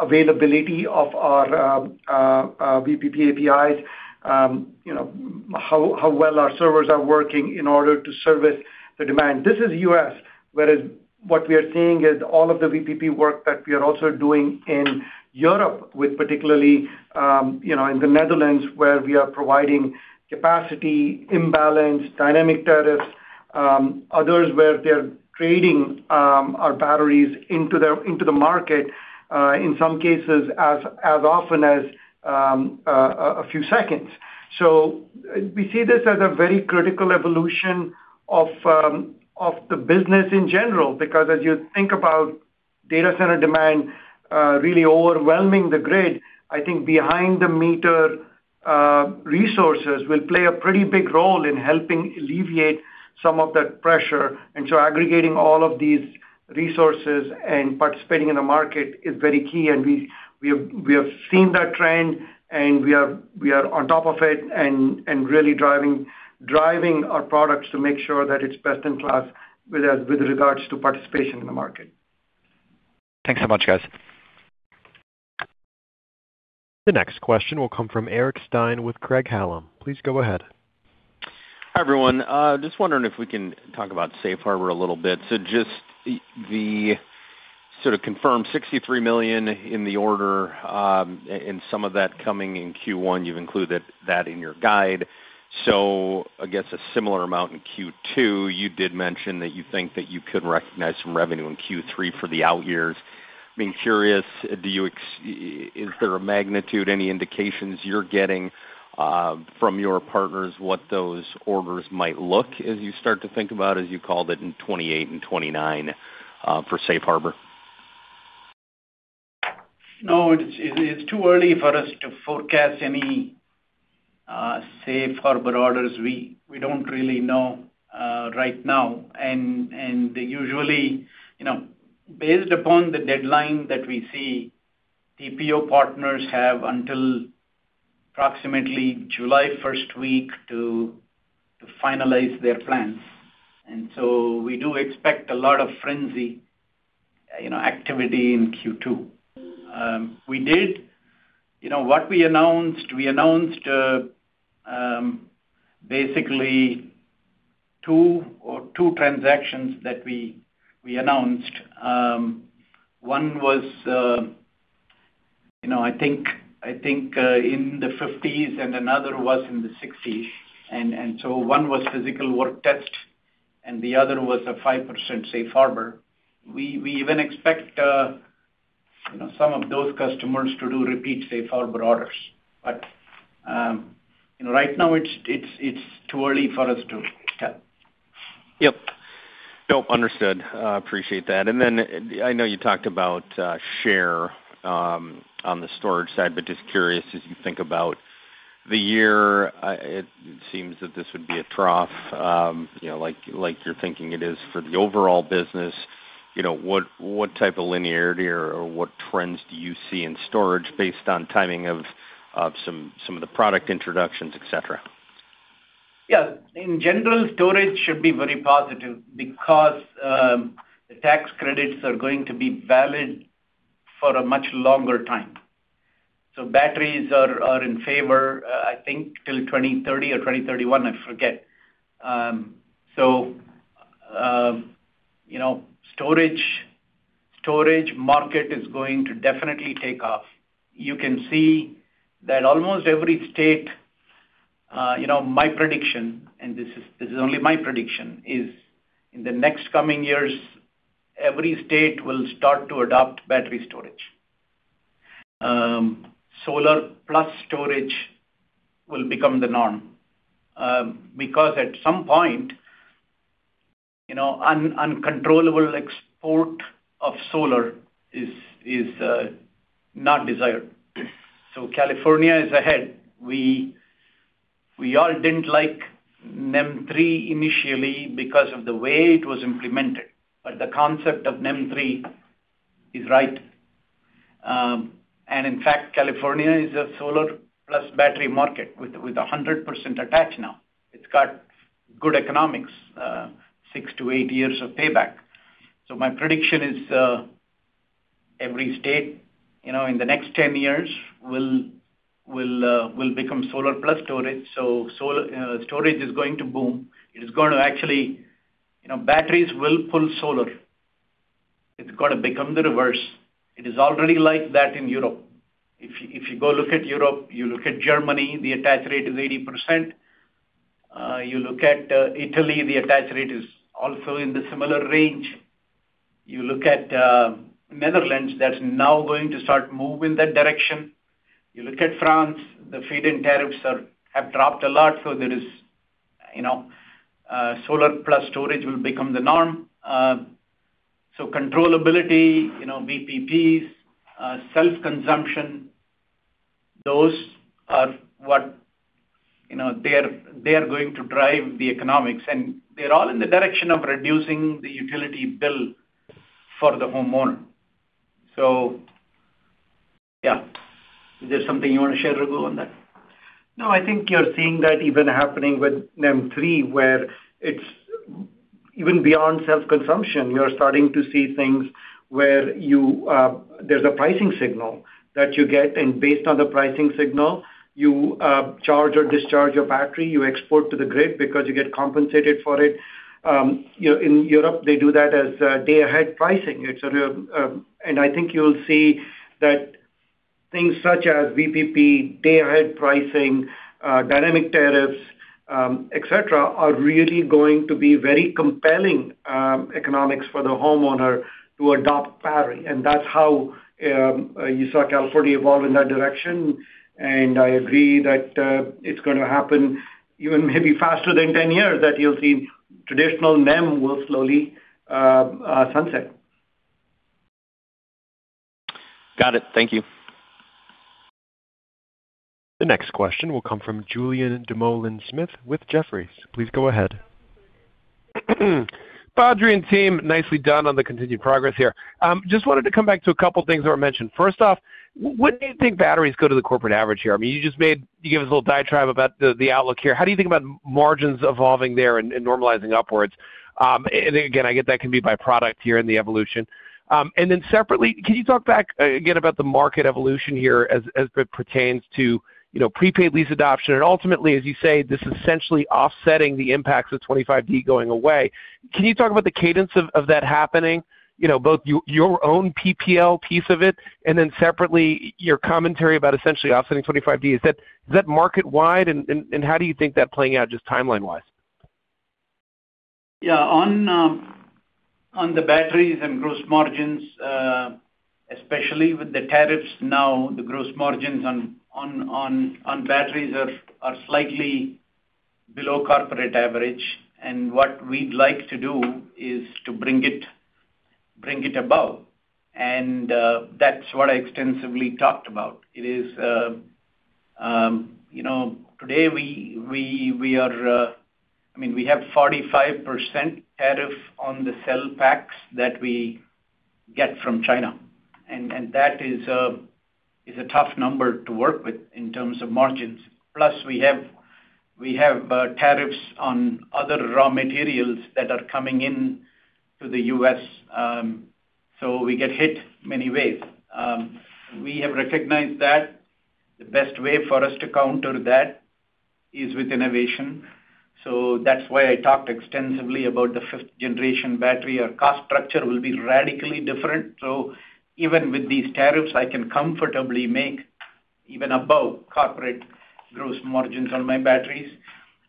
availability of our VPP APIs, how well our servers are working in order to service the demand. This is U.S. Whereas what we are seeing is all of the VPP work that we are also doing in Europe with, particularly, in the Netherlands where we are providing capacity imbalance, dynamic tariffs, others where they're trading our batteries into the market, in some cases, as often as a few seconds. So we see this as a very critical evolution of the business in general because as you think about data center demand really overwhelming the grid, I think behind-the-meter resources will play a pretty big role in helping alleviate some of that pressure. And so aggregating all of these resources and participating in the market is very key. And we have seen that trend. And we are on top of it and really driving our products to make sure that it's best-in-class with regards to participation in the market. Thanks so much, guys. The next question will come from Eric Stine with Craig-Hallum. Please go ahead. Hi, everyone. Just wondering if we can talk about safe harbor a little bit. So just to sort of confirm, $63 million in the order. And some of that coming in Q1, you've included that in your guide. So I guess a similar amount in Q2. You did mention that you think that you could recognize some revenue in Q3 for the out years. Being curious, is there a magnitude, any indications you're getting from your partners what those orders might look as you start to think about, as you called it, in 2028 and 2029 for safe harbor? No. It's too early for us to forecast any safe harbor orders. We don't really know right now. Usually, based upon the deadline that we see, TPO partners have until approximately July 1st week to finalize their plans. So we do expect a lot of frenzy activity in Q2. What we announced, we announced basically two transactions that we announced. One was, I think, in the 50s and another was in the 60s. So one was Physical Work Test, and the other was a 5% safe harbor. We even expect some of those customers to do repeat safe harbor orders. But right now, it's too early for us to tell. Yep. Nope. Understood. Appreciate that. And then I know you talked about share on the storage side, but just curious, as you think about the year, it seems that this would be a trough like you're thinking it is for the overall business. What type of linearity or what trends do you see in storage based on timing of some of the product introductions, etc.? Yeah. In general, storage should be very positive because the tax credits are going to be valid for a much longer time. So batteries are in favor, I think, till 2030 or 2031. I forget. So storage market is going to definitely take off. You can see that almost every state, my prediction, and this is only my prediction, is in the next coming years, every state will start to adopt battery storage. Solar plus storage will become the norm because at some point, uncontrollable export of solar is not desired. So California is ahead. We all didn't like NEM 3.0 initially because of the way it was implemented. But the concept of NEM 3.0 is right. And in fact, California is a solar-plus-battery market with 100% attached now. It's got good economics, six to eight years of payback. So my prediction is every state in the next 10 years will become solar plus storage. So storage is going to boom. It is going to actually batteries will pull solar. It's got to become the reverse. It is already like that in Europe. If you go look at Europe, you look at Germany, the attach rate is 80%. You look at Italy, the attach rate is also in the similar range. You look at Netherlands, that's now going to start moving that direction. You look at France, the feed-in tariffs have dropped a lot. So solar plus storage will become the norm. So controllability, VPPs, self-consumption, those are what they are going to drive the economics. And they're all in the direction of reducing the utility bill for the homeowner. So yeah. Is there something you want to share, Raghu, on that? No. I think you're seeing that even happening with NEM 3.0 where it's even beyond self-consumption. You're starting to see things where there's a pricing signal that you get. And based on the pricing signal, you charge or discharge your battery. You export to the grid because you get compensated for it. In Europe, they do that as day-ahead pricing. And I think you'll see that things such as VPP, day-ahead pricing, dynamic tariffs, etc., are really going to be very compelling economics for the homeowner to adopt battery. And that's how you saw California evolve in that direction. And I agree that it's going to happen even maybe faster than 10 years, that you'll see traditional NEM will slowly sunset. Got it. Thank you. The next question will come from Julian Dumoulin-Smith with Jefferies. Please go ahead. Badri and Team, nicely done on the continued progress here. Just wanted to come back to a couple of things that were mentioned. First off, when do you think batteries go to the corporate average here? I mean, you gave us a little diatribe about the outlook here. How do you think about margins evolving there and normalizing upwards? And again, I get that can be by product here in the evolution. And then separately, can you talk back again about the market evolution here as it pertains to prepaid lease adoption? And ultimately, as you say, this is essentially offsetting the impacts of 25D going away. Can you talk about the cadence of that happening, both your own PPL piece of it and then separately your commentary about essentially offsetting 25D? Is that market-wide? And how do you think that playing out just timeline-wise? Yeah. On the batteries and gross margins, especially with the tariffs now, the gross margins on batteries are slightly below corporate average. What we'd like to do is to bring it above. And that's what I extensively talked about. Today, I mean, we have 45% tariff on the cell packs that we get from China. And that is a tough number to work with in terms of margins. Plus, we have tariffs on other raw materials that are coming into the U.S. So we get hit many ways. We have recognized that. The best way for us to counter that is with innovation. So that's why I talked extensively about the fifth-generation battery. Our cost structure will be radically different. So even with these tariffs, I can comfortably make even above corporate gross margins on my batteries.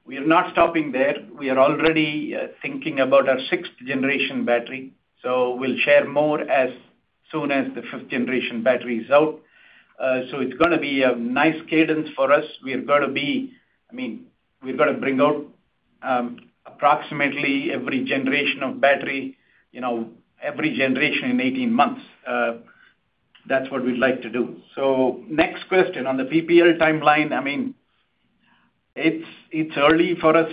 We are not stopping there. We are already thinking about our sixth-generation battery. So we'll share more as soon as the fifth-generation battery is out. So it's going to be a nice cadence for us. We are going to be, I mean, we're going to bring out approximately every generation of battery, every generation in 18 months. That's what we'd like to do. So next question on the PPL timeline. I mean, it's early for us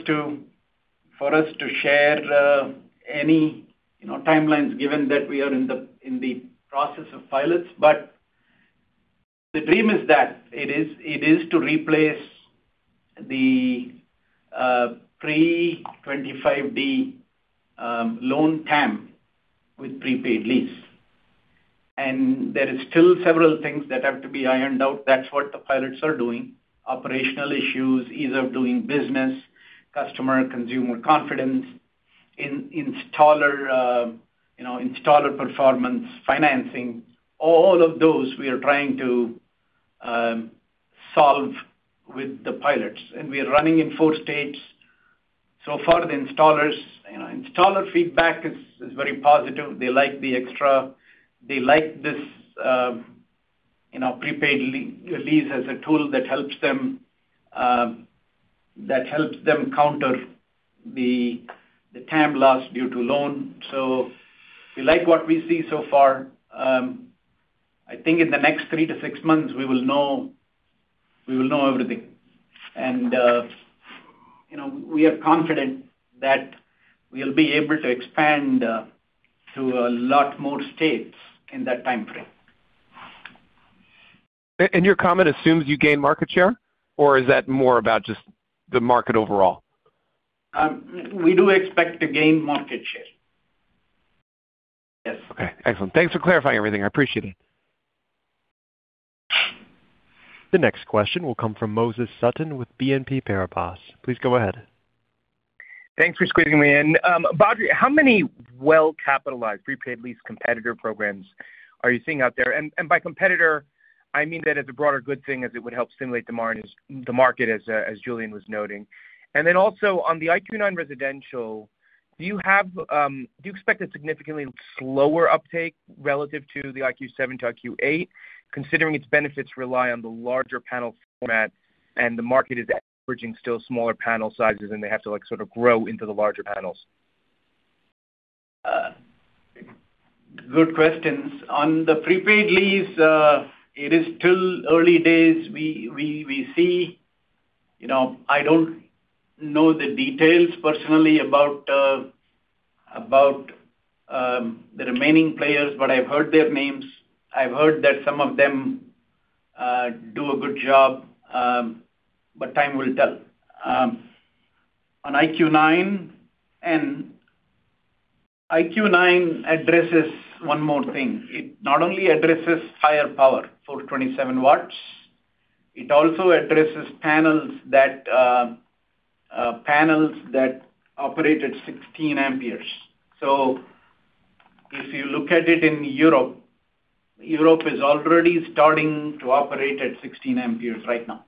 to share any timelines given that we are in the process of pilots. But the dream is that. It is to replace the pre-25D loan TAM with prepaid lease. And there are still several things that have to be ironed out. That's what the pilots are doing: operational issues, ease of doing business, customer consumer confidence, installer performance, financing. All of those, we are trying to solve with the pilots. And we are running in four states. So far, the installers' feedback is very positive. They like the extra. They like this prepaid lease as a tool that helps them counter the TAM loss due to loan. So we like what we see so far. I think in the next three to six months, we will know everything. We are confident that we'll be able to expand to a lot more states in that timeframe. Your comment assumes you gain market share? Or is that more about just the market overall? We do expect to gain market share. Yes. Okay. Excellent. Thanks for clarifying everything. I appreciate it. The next question will come from Moses Sutton with BNP Paribas. Please go ahead. Thanks for squeezing me in. Badri, how many well-capitalized prepaid lease competitor programs are you seeing out there? And by competitor, I mean that as a broader good thing as it would help stimulate the market, as Julian was noting. And then also on the IQ9 residential, do you expect a significantly slower uptake relative to the IQ7 to IQ8 considering its benefits rely on the larger panel format and the market is averaging still smaller panel sizes, and they have to sort of grow into the larger panels? Good questions. On the prepaid lease, it is still early days. I don't know the details personally about the remaining players, but I've heard their names. I've heard that some of them do a good job, but time will tell. On IQ9, IQ9 addresses one more thing. It not only addresses higher power, 427 W, it also addresses panels that operate at 16 amperes. So if you look at it in Europe, Europe is already starting to operate at 16 amperes right now.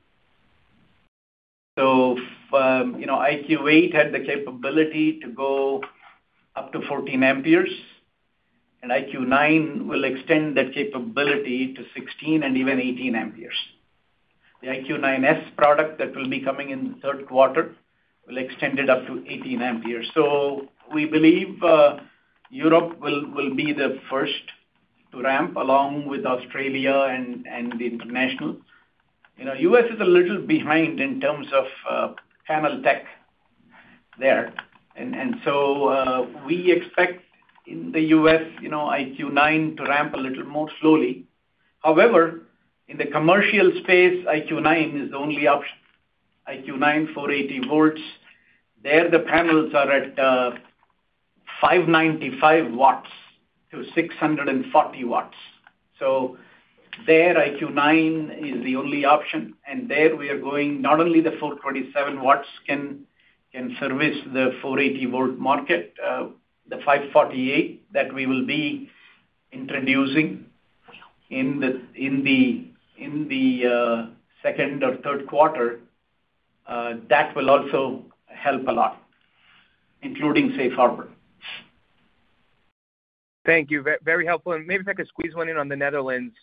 So IQ8 had the capability to go up to 14 amperes. IQ9 will extend that capability to 16 and even 18 amperes. The IQ9S product that will be coming in the third quarter will extend it up to 18 amperes. So we believe Europe will be the first to ramp along with Australia and the international. U.S. is a little behind in terms of panel tech there. So we expect in the U.S., IQ9 to ramp a little more slowly. However, in the commercial space, IQ9 is the only option. IQ9 480 volts, there, the panels are at 595 W-640 W. So there, IQ9 is the only option. And there, we are going not only the 427 W can service the 480-volt market, the 548 that we will be introducing in the second or third quarter, that will also help a lot, including safe harbor. Thank you. Very helpful. And maybe if I could squeeze one in on the Netherlands.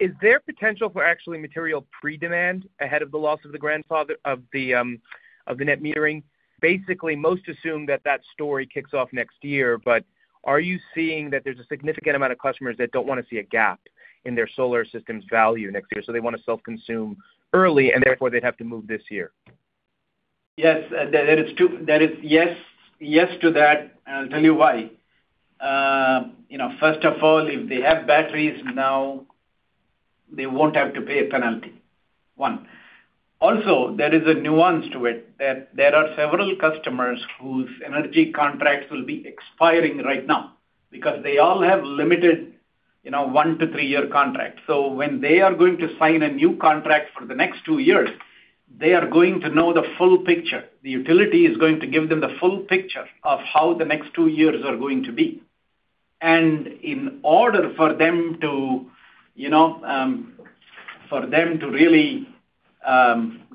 Is there potential for actually material pre-demand ahead of the loss of the grandfather of the net metering? Basically, most assume that that story kicks off next year. But are you seeing that there's a significant amount of customers that don't want to see a gap in their solar system's value next year? So they want to self-consume early, and therefore, they'd have to move this year. Yes. There is yes to that. And I'll tell you why. First of all, if they have batteries now, they won't have to pay a penalty, one. Also, there is a nuance to it. There are several customers whose energy contracts will be expiring right now because they all have limited one- to three-year contracts. So when they are going to sign a new contract for the next two years, they are going to know the full picture. The utility is going to give them the full picture of how the next two years are going to be. And in order for them to really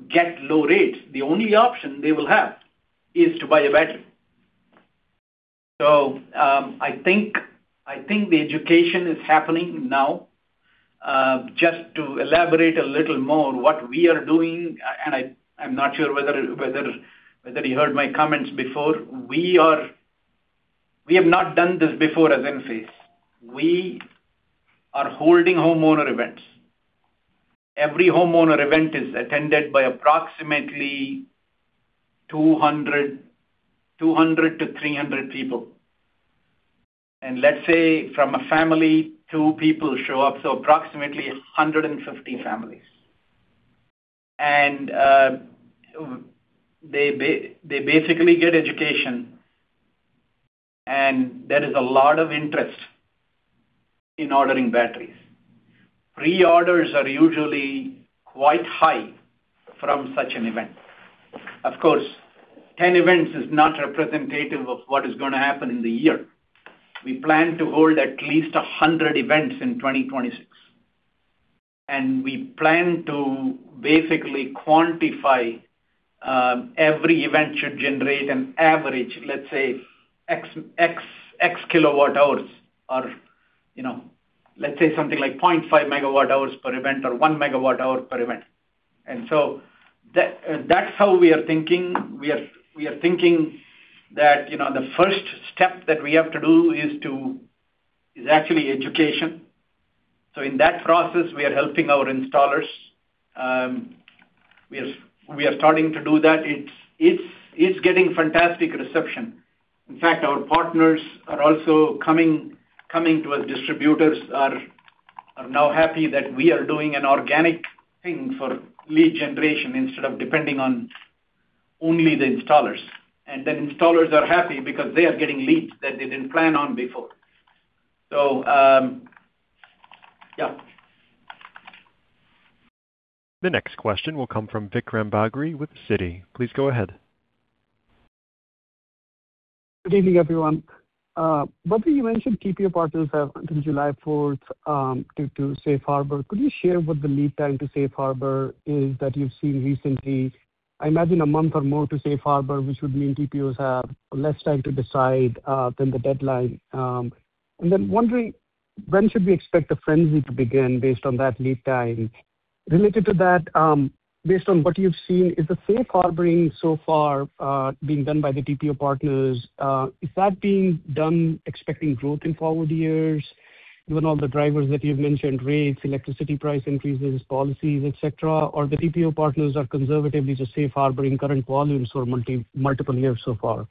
get low rates, the only option they will have is to buy a battery. So I think the education is happening now. Just to elaborate a little more what we are doing and I'm not sure whether you heard my comments before. We have not done this before at Enphase. We are holding homeowner events. Every homeowner event is attended by approximately 200 people-300 people. Let's say from a family, two people show up. So approximately 150 families. They basically get education. There is a lot of interest in ordering batteries. Pre-orders are usually quite high from such an event. Of course, 10 events is not representative of what is going to happen in the year. We plan to hold at least 100 events in 2026. We plan to basically quantify every event should generate an average, let's say, X kWh or let's say something like 0.5 MWh per event or 1 MWh per event. That's how we are thinking. We are thinking that the first step that we have to do is actually education. In that process, we are helping our installers. We are starting to do that. It's getting fantastic reception. In fact, our partners are also coming to us. Distributors are now happy that we are doing an organic thing for lead generation instead of depending on only the installers. And then installers are happy because they are getting leads that they didn't plan on before. So yeah. The next question will come from Vikram Bagri with Citi. Please go ahead. Good evening, everyone. Badri, you mentioned TPO partners have until July 4th to safe harbor. Could you share what the lead time to safe harbor is that you've seen recently? I imagine a month or more to safe harbor, which would mean TPOs have less time to decide than the deadline. And then wondering, when should we expect the frenzy to begin based on that lead time? Related to that, based on what you've seen, is the safe harboring so far being done by the TPO partners? Is that being done expecting growth in forward years? Given all the drivers that you've mentioned, rates, electricity price increases, policies, etc., are the TPO partners conservatively just safe harboring current volumes for multiple years so far?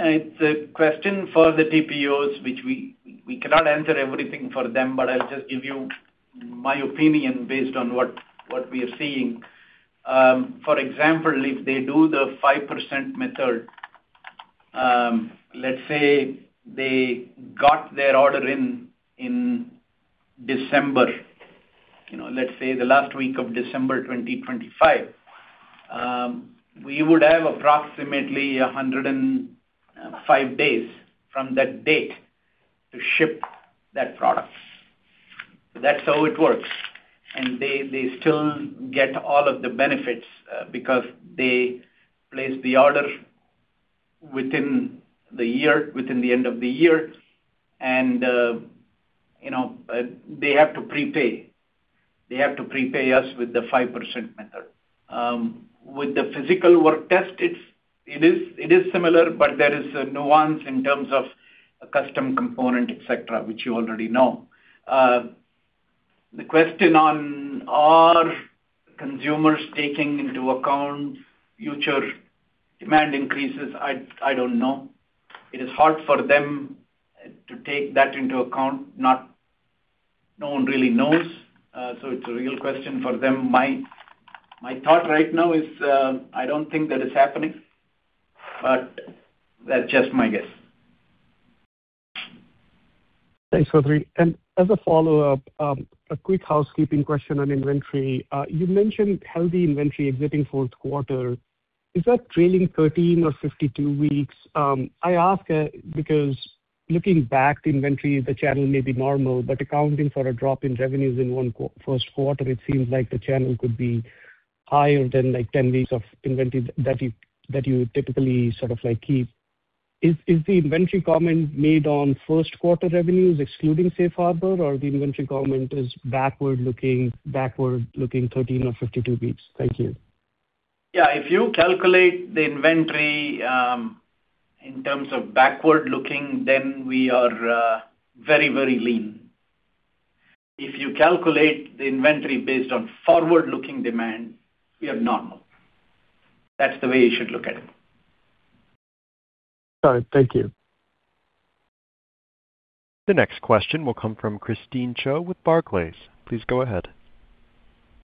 It's a question for the TPOs, which we cannot answer everything for them. But I'll just give you my opinion based on what we are seeing. For example, if they do the 5% method, let's say they got their order in December, let's say the last week of December 2025, we would have approximately 105 days from that date to ship that product. So that's how it works. And they still get all of the benefits because they place the order within the year, within the end of the year. And they have to prepay. They have to prepay us with the 5% method. With the Physical Work Test, it is similar, but there is a nuance in terms of a custom component, etc., which you already know. The question on our consumers taking into account future demand increases, I don't know. It is hard for them to take that into account. No one really knows. So it's a real question for them. My thought right now is I don't think that is happening. But that's just my guess. Thanks, Badri. As a follow-up, a quick housekeeping question on inventory. You mentioned healthy inventory exiting fourth quarter. Is that trailing 13 or 52 weeks? I ask because looking back, the inventory, the channel may be normal. But accounting for a drop in revenues in first quarter, it seems like the channel could be higher than 10 weeks of inventory that you typically sort of keep. Is the inventory comment made on first quarter revenues excluding safe harbor, or the inventory comment is backward-looking 13 or 52 weeks? Thank you. Yeah. If you calculate the inventory in terms of backward-looking, then we are very, very lean. If you calculate the inventory based on forward-looking demand, we are normal. That's the way you should look at it. All right. Thank you. The next question will come from Christine Cho with Barclays. Please go ahead.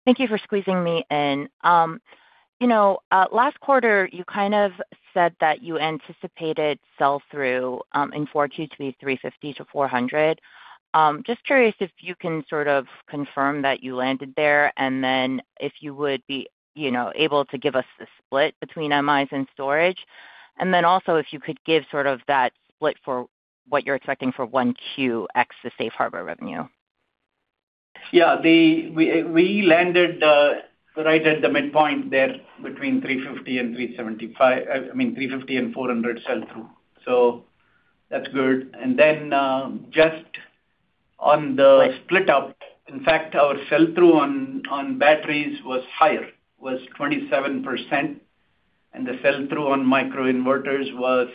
Thank you for squeezing me in. Last quarter, you kind of said that you anticipated sell-through in 4Q to be 350-400. Just curious if you can sort of confirm that you landed there and then if you would be able to give us the split between MIs and storage. Then also if you could give sort of that split for what you're expecting for 1Q ex of safe harbor revenue. Yeah. We landed right at the midpoint there between 350 and 375, I mean, 350 and 400 sell-through. So that's good. And then just on the split-up, in fact, our sell-through on batteries was higher, was 27%. And the sell-through on microinverters was,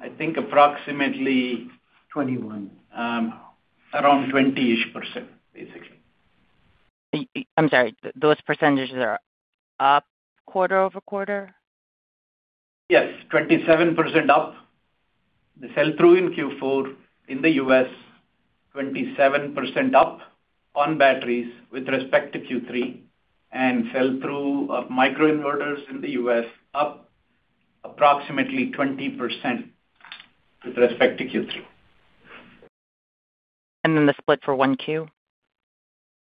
I think, approximately around 20-ish%, basically. I'm sorry. Those percentages are up quarter-over-quarter? Yes. 27% up. The sell-through in Q4 in the U.S., 27% up on batteries with respect to Q3. Sell-through of microinverters in the U.S., up approximately 20% with respect to Q3. And then the split for 1Q?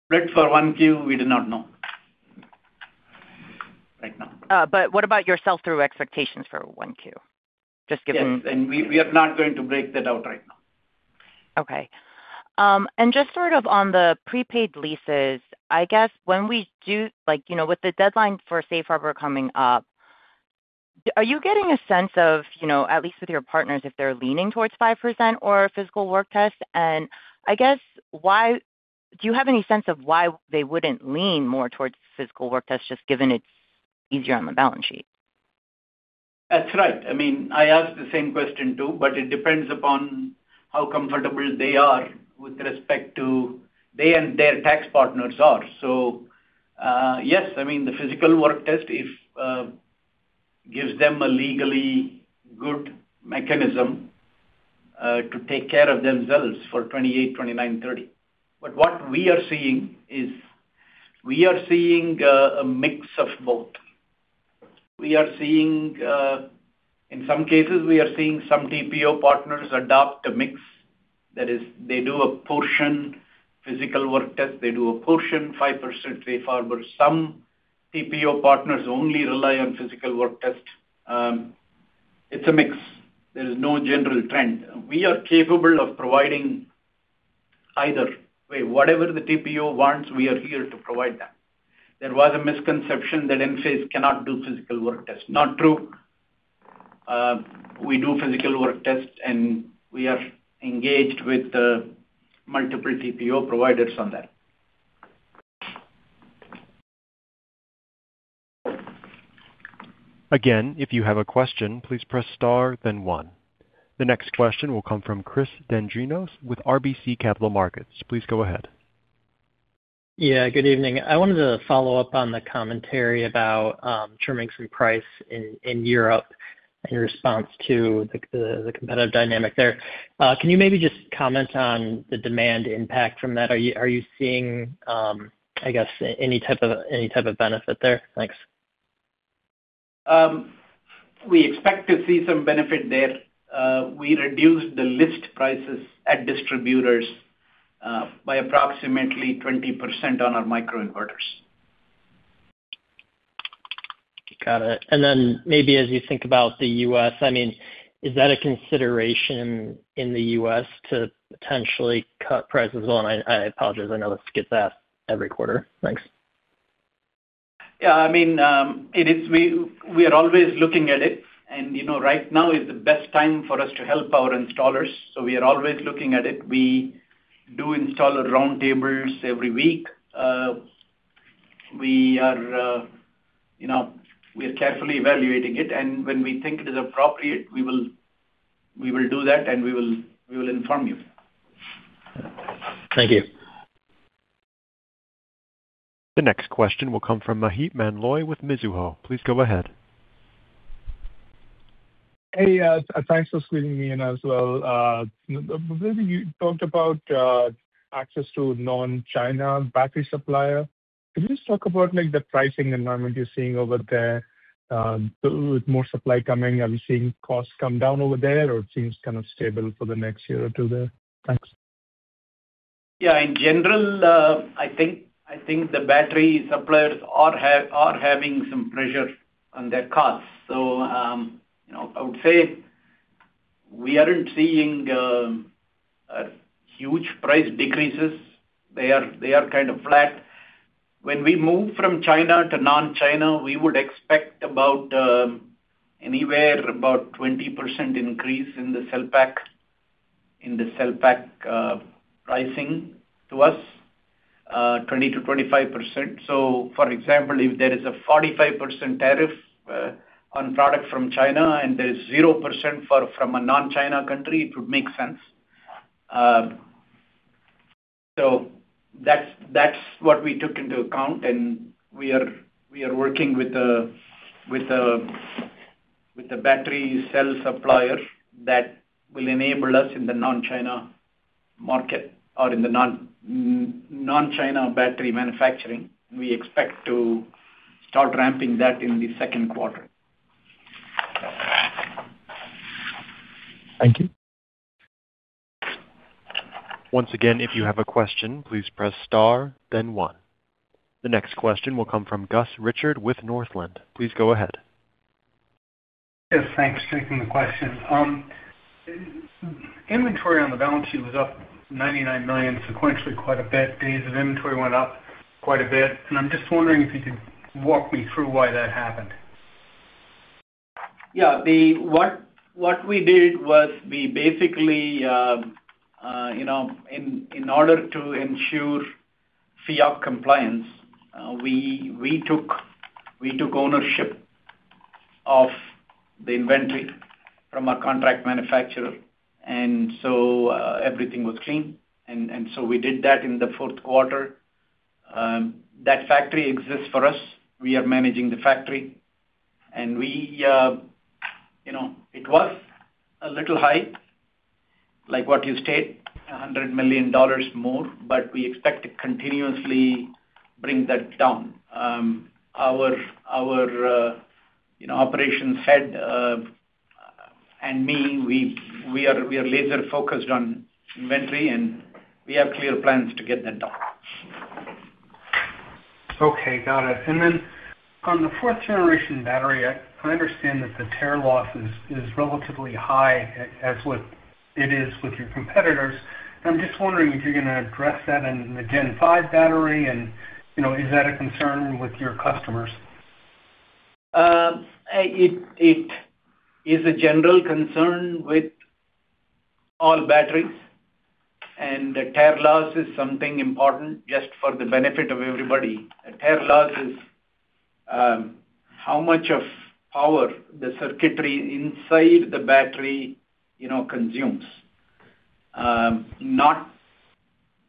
Split for 1Q, we do not know right now. What about your sell-through expectations for 1Q, just given? Yes. We are not going to break that out right now. Okay. And just sort of on the prepaid leases, I guess when we do with the deadline for safe harbor coming up, are you getting a sense of, at least with your partners, if they're leaning towards 5% or Physical Work Tests? And I guess do you have any sense of why they wouldn't lean more towards Physical Work Tests, just given it's easier on the balance sheet? That's right. I mean, I asked the same question too. But it depends upon how comfortable they are with respect to they and their tax partners are. So yes. I mean, the Physical Work Test, it gives them a legally good mechanism to take care of themselves for 2028, 2029, 2030. But what we are seeing is we are seeing a mix of both. In some cases, we are seeing some TPO partners adopt a mix. That is, they do a portion Physical Work Test. They do a portion 5% safe harbor. Some TPO partners only rely on Physical Work Test. It's a mix. There is no general trend. We are capable of providing either way. Whatever the TPO wants, we are here to provide that. There was a misconception that Enphase cannot do Physical Work Tests. Not true. We do Physical Work Tests. We are engaged with multiple TPO providers on that. Again, if you have a question, please press star, then one. The next question will come from Chris Dendrinos with RBC Capital Markets. Please go ahead. Yeah. Good evening. I wanted to follow up on the commentary about trimmings and price in Europe in response to the competitive dynamic there. Can you maybe just comment on the demand impact from that? Are you seeing, I guess, any type of benefit there? Thanks. We expect to see some benefit there. We reduced the list prices at distributors by approximately 20% on our microinverters. Got it. And then maybe as you think about the U.S., I mean, is that a consideration in the U.S. to potentially cut prices? Well, and I apologize. I know this gets asked every quarter. Thanks. Yeah. I mean, we are always looking at it. Right now is the best time for us to help our installers. We are always looking at it. We do install roundtables every week. We are carefully evaluating it. When we think it is appropriate, we will do that. We will inform you. Thank you. The next question will come from Maheep Mandloi with Mizuho. Please go ahead. Hey. Thanks for squeezing me in as well. You talked about access to a non-China battery supplier. Could you just talk about the pricing environment you're seeing over there with more supply coming? Are we seeing costs come down over there, or it seems kind of stable for the next year or two there? Thanks. Yeah. In general, I think the battery suppliers are having some pressure on their costs. So I would say we aren't seeing huge price decreases. They are kind of flat. When we move from China to non-China, we would expect anywhere about 20% increase in the cell pack pricing to us, 20%-25%. So for example, if there is a 45% tariff on product from China and there is 0% from a non-China country, it would make sense. So that's what we took into account. And we are working with a battery cell supplier that will enable us in the non-China market or in the non-China battery manufacturing. We expect to start ramping that in the second quarter. Thank you. Once again, if you have a question, please press star, then one. The next question will come from Gus Richard with Northland. Please go ahead. Yes. Thanks for taking the question. Inventory on the balance sheet was up $99 million, sequentially quite a bit. Days of inventory went up quite a bit. And I'm just wondering if you could walk me through why that happened. Yeah. What we did was we basically in order to ensure FEOC compliance, we took ownership of the inventory from our contract manufacturer. And so everything was clean. And so we did that in the fourth quarter. That factory exists for us. We are managing the factory. And it was a little high, like what you said, $100 million more. But we expect to continuously bring that down. Our operations head and me, we are laser-focused on inventory. And we have clear plans to get that down. Okay. Got it. And then on the fourth-generation battery, I understand that the tare loss is relatively high as it is with your competitors. And I'm just wondering if you're going to address that in the Gen 5 battery. And is that a concern with your customers? It is a general concern with all batteries. Tare loss is something important just for the benefit of everybody. Tare loss is how much of power the circuitry inside the battery consumes, not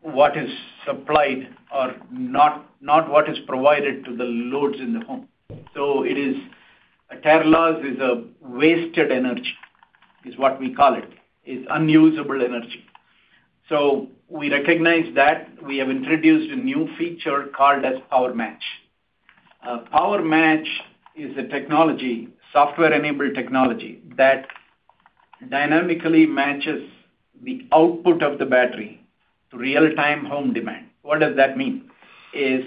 what is supplied or not what is provided to the loads in the home. Tare loss is wasted energy, is what we call it, is unusable energy. We recognize that. We have introduced a new feature called as PowerMatch. PowerMatch is a software-enabled technology that dynamically matches the output of the battery to real-time home demand. What does that mean? Is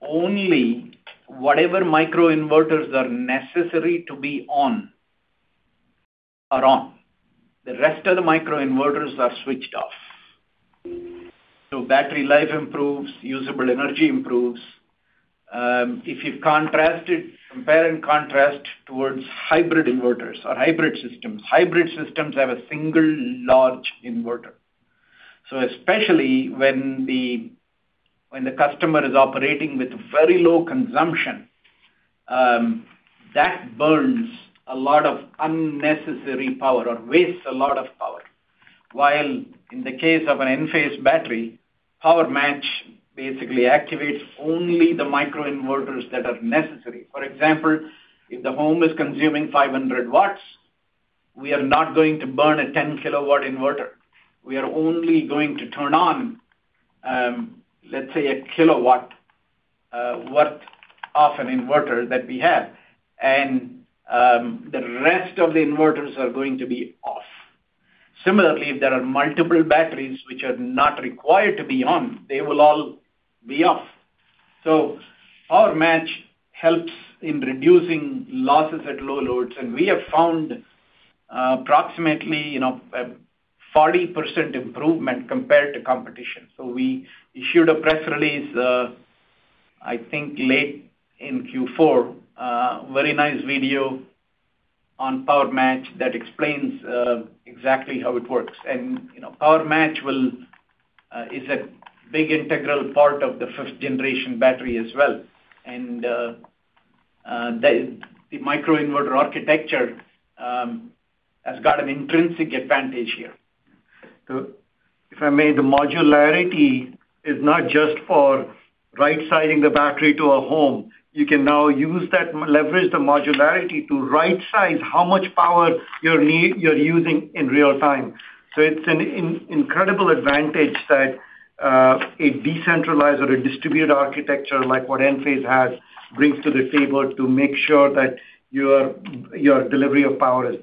only whatever microinverters are necessary to be on are on. The rest of the microinverters are switched off. Battery life improves. Usable energy improves. If you compare and contrast towards hybrid inverters or hybrid systems, hybrid systems have a single large inverter. So especially when the customer is operating with very low consumption, that burns a lot of unnecessary power or wastes a lot of power. While in the case of an Enphase battery, PowerMatch basically activates only the microinverters that are necessary. For example, if the home is consuming 500 W, we are not going to burn a 10 kW inverter. We are only going to turn on, let's say, 1 kW worth of an inverter that we have. And the rest of the inverters are going to be off. Similarly, if there are multiple batteries which are not required to be on, they will all be off. So PowerMatch helps in reducing losses at low loads. And we have found approximately a 40% improvement compared to competition. So we issued a press release, I think, late in Q4, a very nice video on PowerMatch that explains exactly how it works. PowerMatch is a big integral part of the fifth-generation battery as well. The microinverter architecture has got an intrinsic advantage here. If I may, the modularity is not just for right-sizing the battery to a home. You can now leverage the modularity to right-size how much power you're using in real time. It's an incredible advantage that a decentralized or a distributed architecture like what Enphase has brings to the table to make sure that your delivery of power is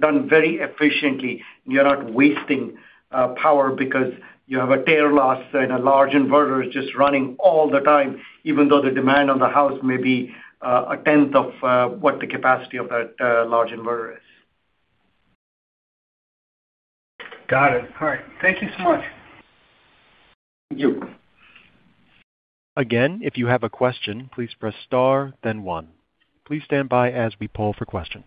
done very efficiently. You're not wasting power because you have a core loss and a large inverter is just running all the time, even though the demand on the house may be a tenth of what the capacity of that large inverter is. Got it. All right. Thank you so much. Thank you. Again, if you have a question, please press star, then one. Please stand by as we poll for questions.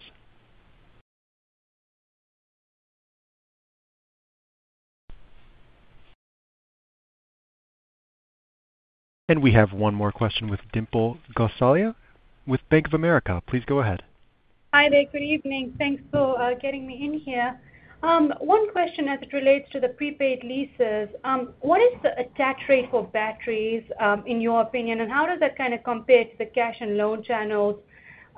And we have one more question with Dimple Gosai with Bank of America. Please go ahead. Hi, there. Good evening. Thanks for getting me in here. One question as it relates to the prepaid leases. What is the attach rate for batteries in your opinion? And how does that kind of compare to the cash and loan channels?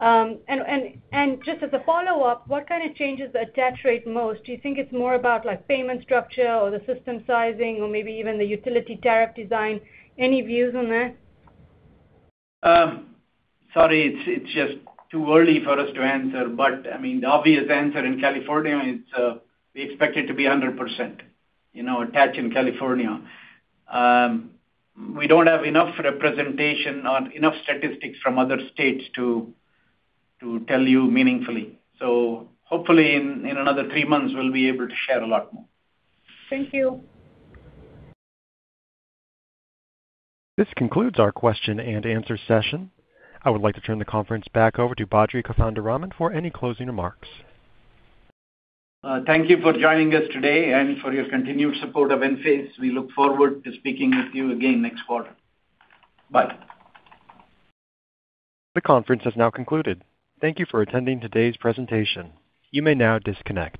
And just as a follow-up, what kind of changes the attach rate most? Do you think it's more about payment structure or the system sizing or maybe even the utility tariff design? Any views on that? Sorry. It's just too early for us to answer. But I mean, the obvious answer in California, we expect it to be 100% attached in California. We don't have enough representation or enough statistics from other states to tell you meaningfully. So hopefully, in another three months, we'll be able to share a lot more. Thank you. This concludes our question-and-answer session. I would like to turn the conference back over to Badri Kothandaraman for any closing remarks. Thank you for joining us today and for your continued support of Enphase. We look forward to speaking with you again next quarter. Bye. The conference has now concluded. Thank you for attending today's presentation. You may now disconnect.